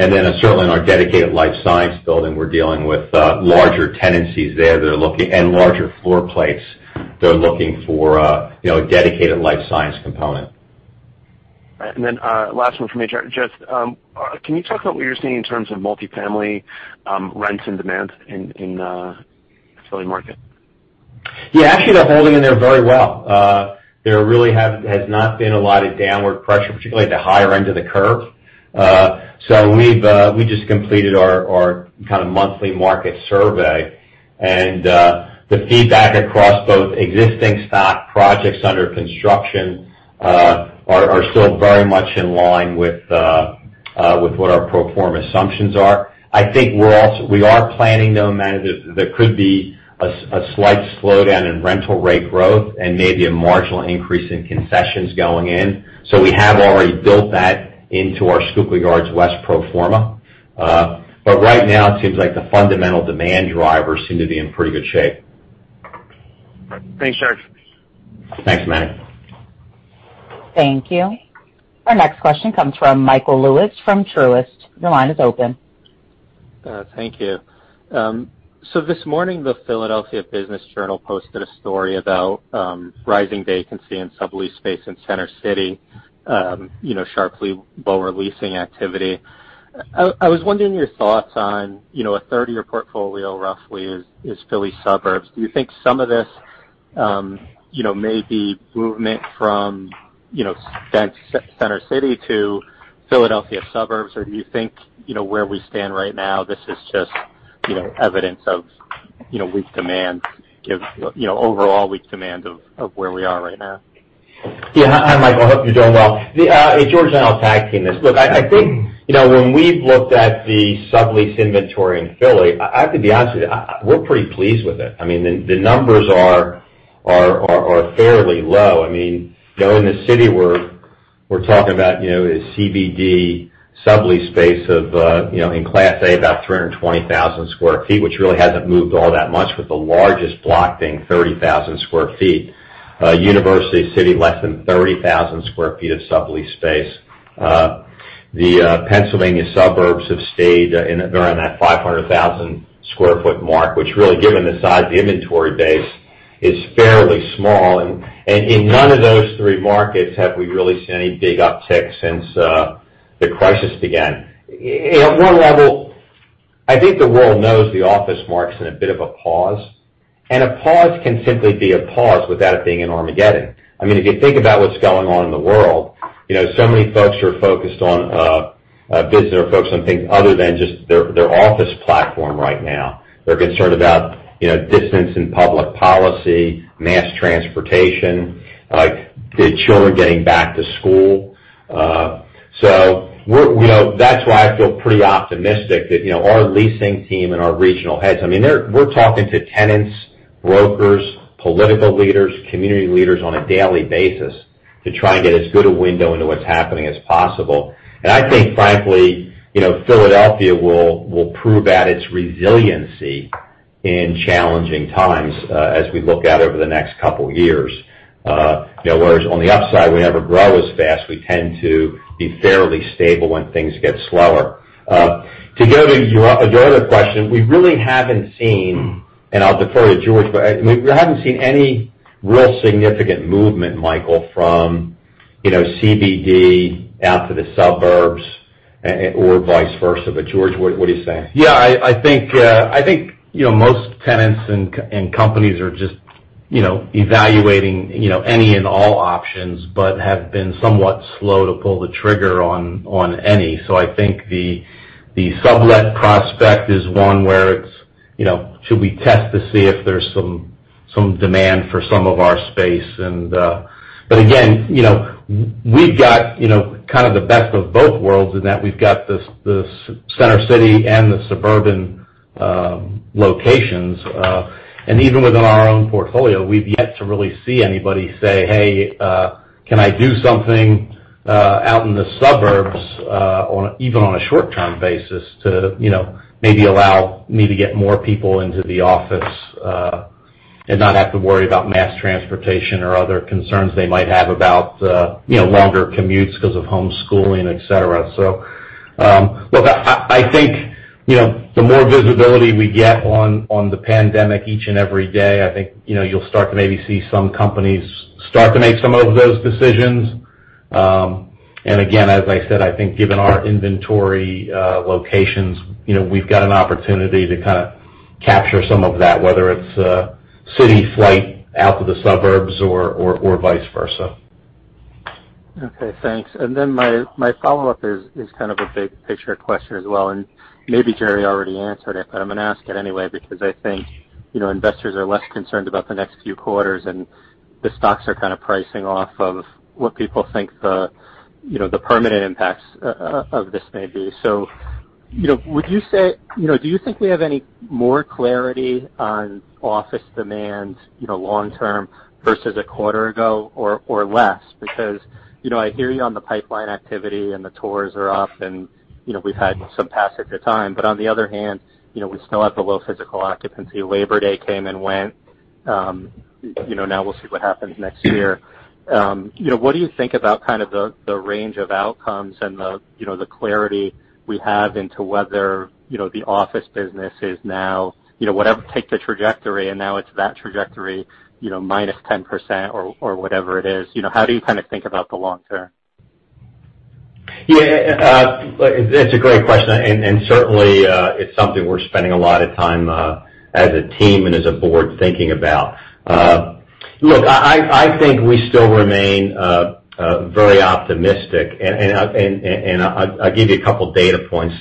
Certainly in our dedicated life science building, we're dealing with larger tenancies there, and larger floor plates that are looking for a dedicated life science component. Last one from me, Jer. Can you talk about what you're seeing in terms of multi-family rents and demand in the Philly market? Actually, they're holding in there very well. There really has not been a lot of downward pressure, particularly at the higher-end of the curve. We just completed our monthly market survey, and the feedback across both existing stock projects under construction are still very much in line with what our pro forma assumptions are. I think we are planning, though, Manny, that there could be a slight slowdown in rental rate growth and maybe a marginal increase in concessions going in. We have already built that into our Schuylkill Yards West pro forma. Right now, it seems like the fundamental demand drivers seem to be in pretty good shape. Thanks, Jer. Thanks, Man. Thank you. Our next question comes from Michael Lewis from Truist. Your line is open. Thank you. This morning, the Philadelphia Business Journal posted a story about rising vacancy in sublease space in Center City, sharply lower leasing activity. I was wondering your thoughts on a third of your portfolio roughly is Philly suburbs. Do you think some of this may be movement from Center City to Philadelphia suburbs, or do you think, where we stand right now, this is just evidence of weak demand, overall weak demand of where we are right now? Hi, Michael. Hope you're doing well. George and I will tag team this. I think when we've looked at the sublease inventory in Philly, I have to be honest with you, we're pretty pleased with it. The numbers are fairly low. In the city, we're talking about a CBD sublease space of, in class A, about 320,000 sq ft, which really hasn't moved all that much, with the largest block being 30,000 sq ft. University City, less than 30,000 sq ft of sublease space. The Pennsylvania suburbs have stayed around that 500,000 sq ft mark, which really, given the size of the inventory base, is fairly small. In none of those three markets have we really seen any big uptick since the crisis began. At one level, I think the world knows the office market's in a bit of a pause, and a pause can simply be a pause without it being an Armageddon. If you think about what's going on in the world, many folks are focused on business. They're focused on things other than just their office platform right now. They're concerned about distance and public policy, mass transportation, children getting back to school. That's why I feel pretty optimistic that our leasing team and our regional heads, we're talking to tenants, brokers, political leaders, community leaders on a daily basis to try and get as good a window into what's happening as possible. I think, frankly, Philadelphia will prove out its resiliency in challenging times as we look out over the next couple of years. Whereas on the upside, we never grow as fast. We tend to be fairly stable when things get slower. To go to your other question, we really haven't seen, and I'll defer to George, but we haven't seen any real significant movement, Michael, from CBD out to the suburbs or vice versa. George, what do you say? Yeah, I think most tenants and companies are just evaluating any and all options, but have been somewhat slow to pull the trigger on any. I think the sublet prospect is one where it's, should we test to see if there's some demand for some of our space? Again, we've got kind of the best of both worlds in that we've got the Center City and the suburban locations. Even within our own portfolio, we've yet to really see anybody say, "Hey, can I do something out in the suburbs, even on a short-term basis, to maybe allow me to get more people into the office and not have to worry about mass transportation or other concerns they might have about longer commutes because of homeschooling, et cetera. The more visibility we get on the pandemic each and every day, I think you'll start to maybe see some companies start to make some of those decisions. Again, as I said, I think given our inventory locations, we've got an opportunity to capture some of that, whether it's a city flight out to the suburbs or vice versa. Okay, thanks. My follow-up is kind of a big picture question as well, and maybe Jerry already answered it, but I'm going to ask it anyway because I think investors are less concerned about the next few quarters, and the stocks are kind of pricing off of what people think the permanent impacts of this may be. Do you think we have any more clarity on office demand, long-term versus a quarter ago or less? I hear you on the pipeline activity and the tours are up, and we've had some passage of time, but on the other hand, we still have the low physical occupancy. Labor Day came and went. We'll see what happens next year. What do you think about the range of outcomes and the clarity we have into whether the office business is now the trajectory, and now it's that trajectory, -10% or whatever it is. How do you kind of think about the long-term? Yeah. It's a great question. Certainly, it's something we're spending a lot of time, as a team and as a Board, thinking about. Look, I think we still remain very optimistic. I'll give you a couple of data points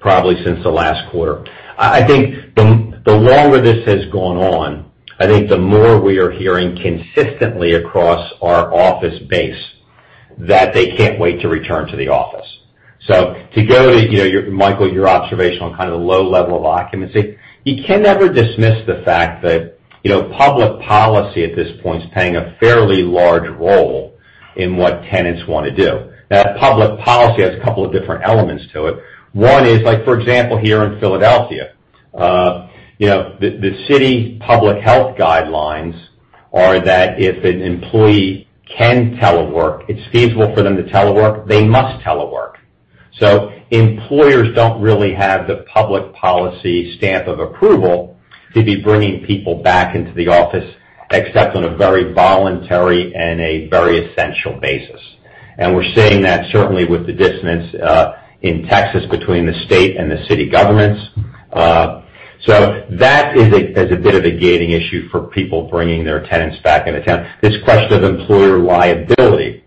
probably since the last quarter. I think the longer this has gone on, I think the more we are hearing consistently across our office base that they can't wait to return to the office. To go to, Michael, your observation on kind of the low level of occupancy, you can never dismiss the fact that, public policy at this point is playing a fairly large role in what tenants want to do. Now, public policy has a couple of different elements to it. One is, for example, here in Philadelphia. The city public health guidelines are that if an employee can telework, it's feasible for them to telework, they must telework. Employers don't really have the public policy stamp of approval to be bringing people back into the office except on a very voluntary and a very essential basis. We're seeing that certainly with the dissonance in Texas between the state and the city governments. That is a bit of a gating issue for people bringing their tenants back into town. This question of employer liability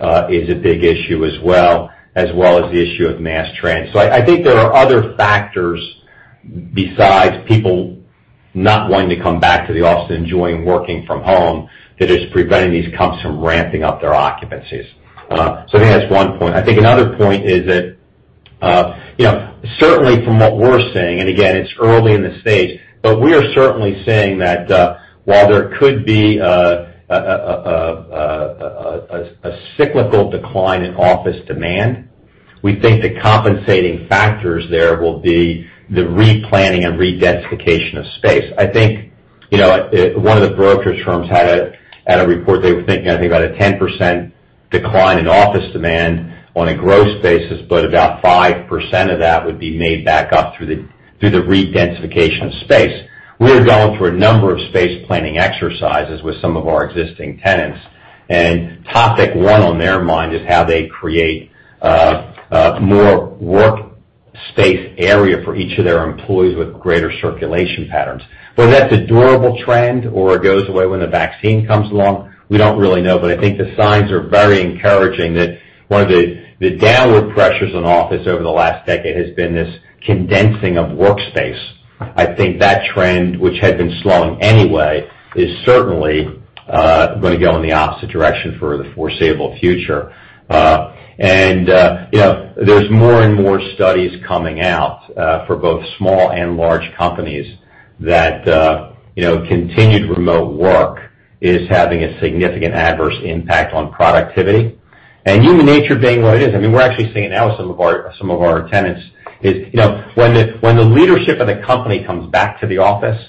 is a big issue as well, as well as the issue of mass transit. I think there are other factors besides people not wanting to come back to the office, enjoying working from home, that is preventing these comps from ramping-up their occupancies. I think that's one point. I think another point is that, certainly from what we're seeing, and again, it's early in the stage, but we are certainly seeing that while there could be a cyclical decline in office demand, we think the compensating factors there will be the replanning and re-densification of space. I think, one of the brokerage firms had a report. They were thinking, I think, about a 10% decline in office demand on a gross basis, but about 5% of that would be made back up through the re-densification of space. We are going through a number of space planning exercises with some of our existing tenants, and topic one on their mind is how they create more work space area for each of their employees with greater circulation patterns. Whether that's a durable trend or it goes away when the vaccine comes along, we don't really know, but I think the signs are very encouraging that one of the downward pressures on office over the last decade has been this condensing of workspace. I think that trend, which had been slowing anyway, is certainly going to go in the opposite direction for the foreseeable future. There's more and more studies coming out for both small and large companies that continued remote work is having a significant adverse impact on productivity. Human nature being what it is, we're actually seeing now with some of our tenants is when the leadership of the company comes back to the office,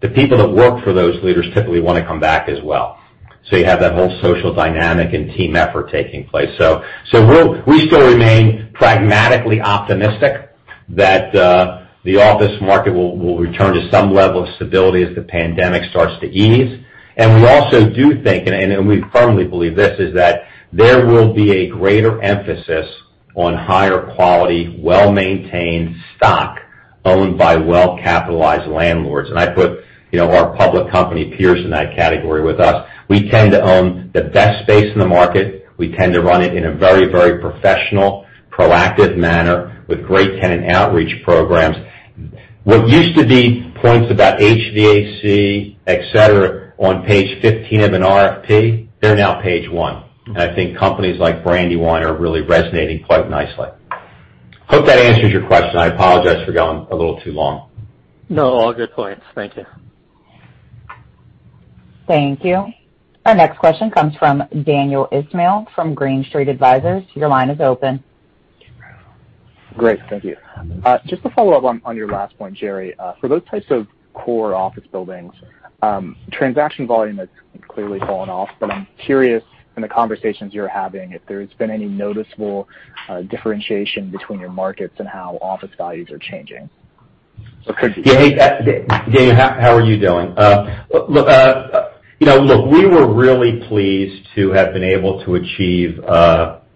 the people that work for those leaders typically want to come back as well. You have that whole social dynamic and team effort taking place. We still remain pragmatically optimistic that the office market will return to some level of stability as the pandemic starts to ease. We also do think, and we firmly believe this, is that there will be a greater emphasis on higher quality, well-maintained stock owned by well-capitalized landlords. I put our public company peers in that category with us. We tend to own the best space in the market. We tend to run it in a very professional, proactive manner with great tenant outreach programs. What used to be points about HVAC, et cetera, on page 15 of an RFP, they're now page one. I think companies like Brandywine are really resonating quite nicely. Hope that answers your question. I apologize for going a little too long. No, all good points. Thank you. Thank you. Our next question comes from Daniel Ismail from Green Street Advisors. Your line is open. Great. Thank you. Just to follow-up on your last point, Jerry. For those types of core office buildings, transaction volume has clearly fallen off, but I'm curious in the conversations you're having, if there's been any noticeable differentiation between your markets and how office values are changing? Yeah, hey. Daniel, how are you doing? Look, we were really pleased to have been able to achieve the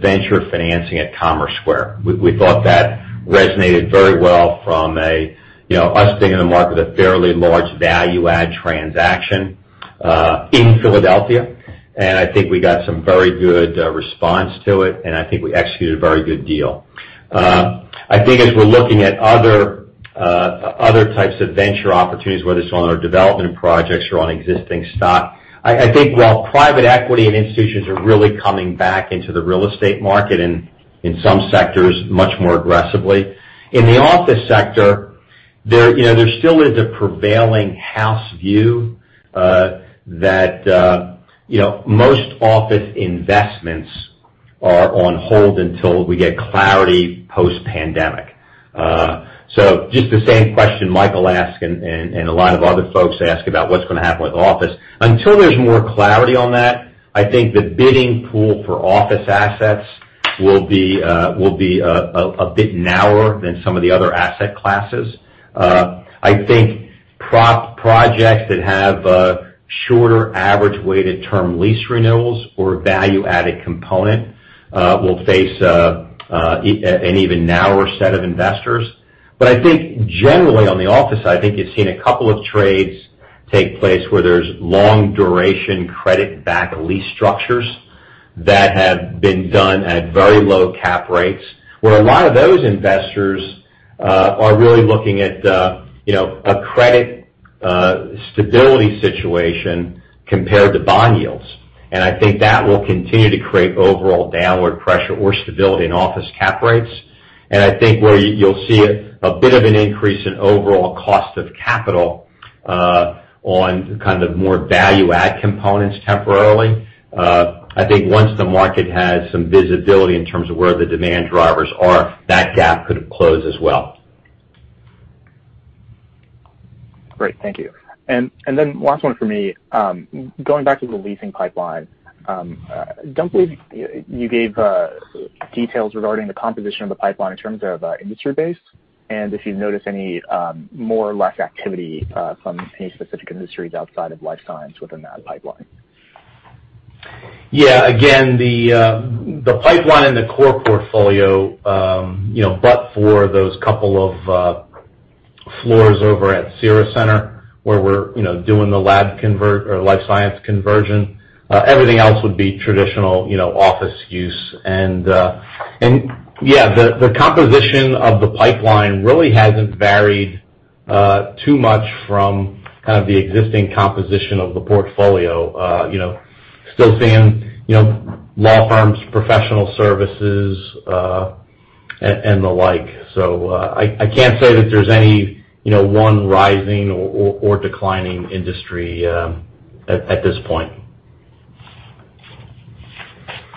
venture financing at Commerce Square. We thought that resonated very well from us being in the market with a fairly large value-add transaction in Philadelphia. I think we got some very good response to it, and I think we executed a very good deal. I think as we're looking at other types of venture opportunities, whether it's on our development projects or on existing stock, I think while private equity and institutions are really coming back into the real estate market and in some sectors much more aggressively, in the office sector, there still is a prevailing house view that most office investments are on hold until we get clarity post-pandemic. Just the same question Michael asked and a lot of other folks ask about what's going to happen with office. Until there's more clarity on that, I think the bidding pool for office assets will be a bit narrower than some of the other asset classes. I think projects that have shorter average weighted term lease renewals or a value-added component will face an even narrower set of investors. I think generally on the office side, I think you've seen a couple of trades take place where there's long duration credit-backed lease structures that have been done at very low cap rates, where a lot of those investors are really looking at a credit stability situation compared to bond yields. I think that will continue to create overall downward pressure or stability in office cap rates. I think where you'll see a bit of an increase in overall cost of capital on kind of more value add components temporarily. I think once the market has some visibility in terms of where the demand drivers are, that gap could close as well. Great, thank you. Last one from me. Going back to the leasing pipeline, I don't believe you gave details regarding the composition of the pipeline in terms of industry base, and if you notice any more or less activity from any specific industries outside of life science within that pipeline. Again, the pipeline and the core portfolio, for those couple of floors over at Cira Centre where we're doing the life science conversion, everything else would be traditional office use. The composition of the pipeline really hasn't varied too much from kind of the existing composition of the portfolio. Still seeing law firms, professional services, and the like. I can't say that there's any one rising or declining industry at this point.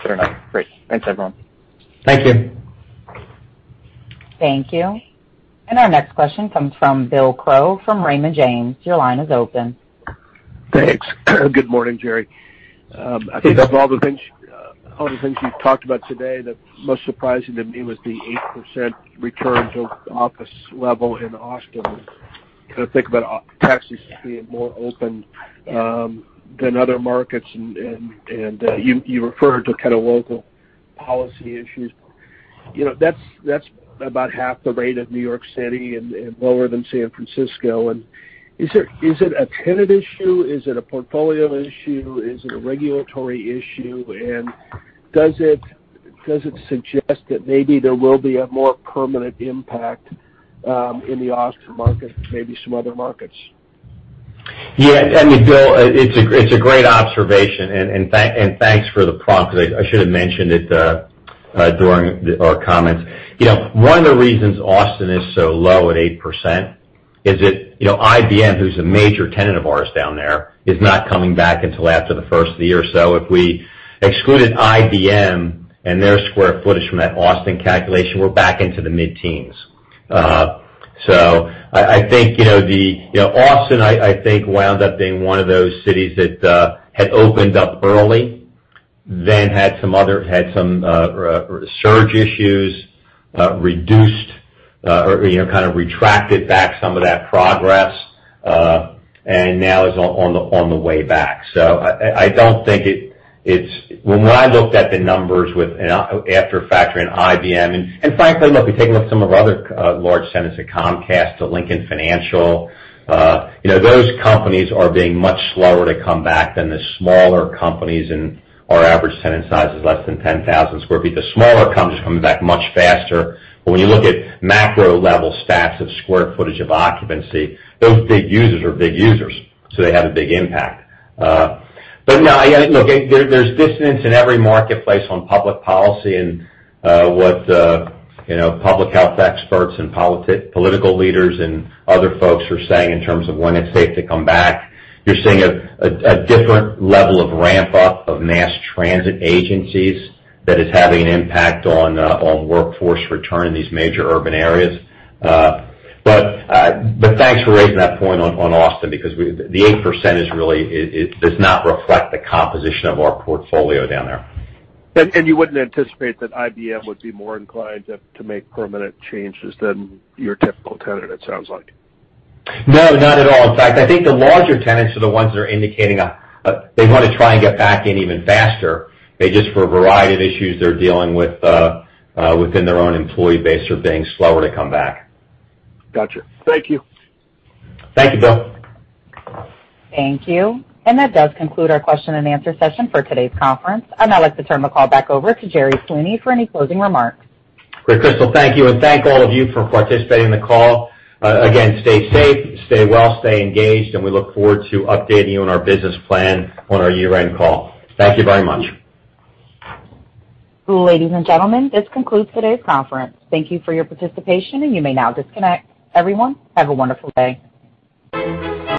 Fair enough. Great. Thanks, everyone. Thank you. Thank you. Our next question comes from Bill Crow from Raymond James. Your line is open. Thanks. Good morning, Jerry. I think of all the things you've talked about today, the most surprising to me was the 8% return to office level in Austin. I think about Texas being more open than other markets, and you referred to kind of local policy issues. That's about half the rate of New York City and lower than San Francisco. Is it a tenant issue? Is it a portfolio issue? Is it a regulatory issue? Does it suggest that maybe there will be a more permanent impact in the Austin market than maybe some other markets? I mean, Bill, it's a great observation, and thanks for the prompt because I should have mentioned it during our comments. One of the reasons Austin is so low at 8% is that IBM, who's a major tenant of ours down there, is not coming back until after the first of the year. If we excluded IBM and their square footage from that Austin calculation, we're back into the mid-teens. I think Austin, I think, wound up being one of those cities that had opened up early, then had some surge issues, reduced or kind of retracted back some of that progress, and now is on the way back. When I looked at the numbers after factoring IBM, and frankly, look, we take a look at some of our other large tenants at Comcast to Lincoln Financial. Those companies are being much slower to come back than the smaller companies, and our average tenant size is less than 10,000 sq ft. The smaller companies are coming back much faster. When you look at macro-level stats of square footage of occupancy, those big users are big users, so they have a big impact. No, look, there's dissonance in every marketplace on public policy and what public health experts and political leaders and other folks are saying in terms of when it's safe to come back. You're seeing a different level of ramp-up of mass transit agencies that is having an impact on workforce return in these major urban areas. Thanks for raising that point on Austin because the 8% does not reflect the composition of our portfolio down there. You wouldn't anticipate that IBM would be more inclined to make permanent changes than your typical tenant, it sounds like. No, not at all. In fact, I think the larger tenants are the ones that are indicating they want to try and get back in even faster. They just, for a variety of issues they're dealing with within their own employee base, are being slower to come back. Got you. Thank you. Thank you, Bill. Thank you. That does conclude our question and answer session for today's conference. I'd like to turn the call back over to Jerry Sweeney for any closing remarks. Great, Crystal. Thank you, and thank all of you for participating in the call. Again, stay safe, stay well, stay engaged, and we look forward to updating you on our business plan on our year-end call. Thank you very much. Ladies and gentlemen, this concludes today's conference. Thank you for your participation, and you may now disconnect. Everyone, have a wonderful day.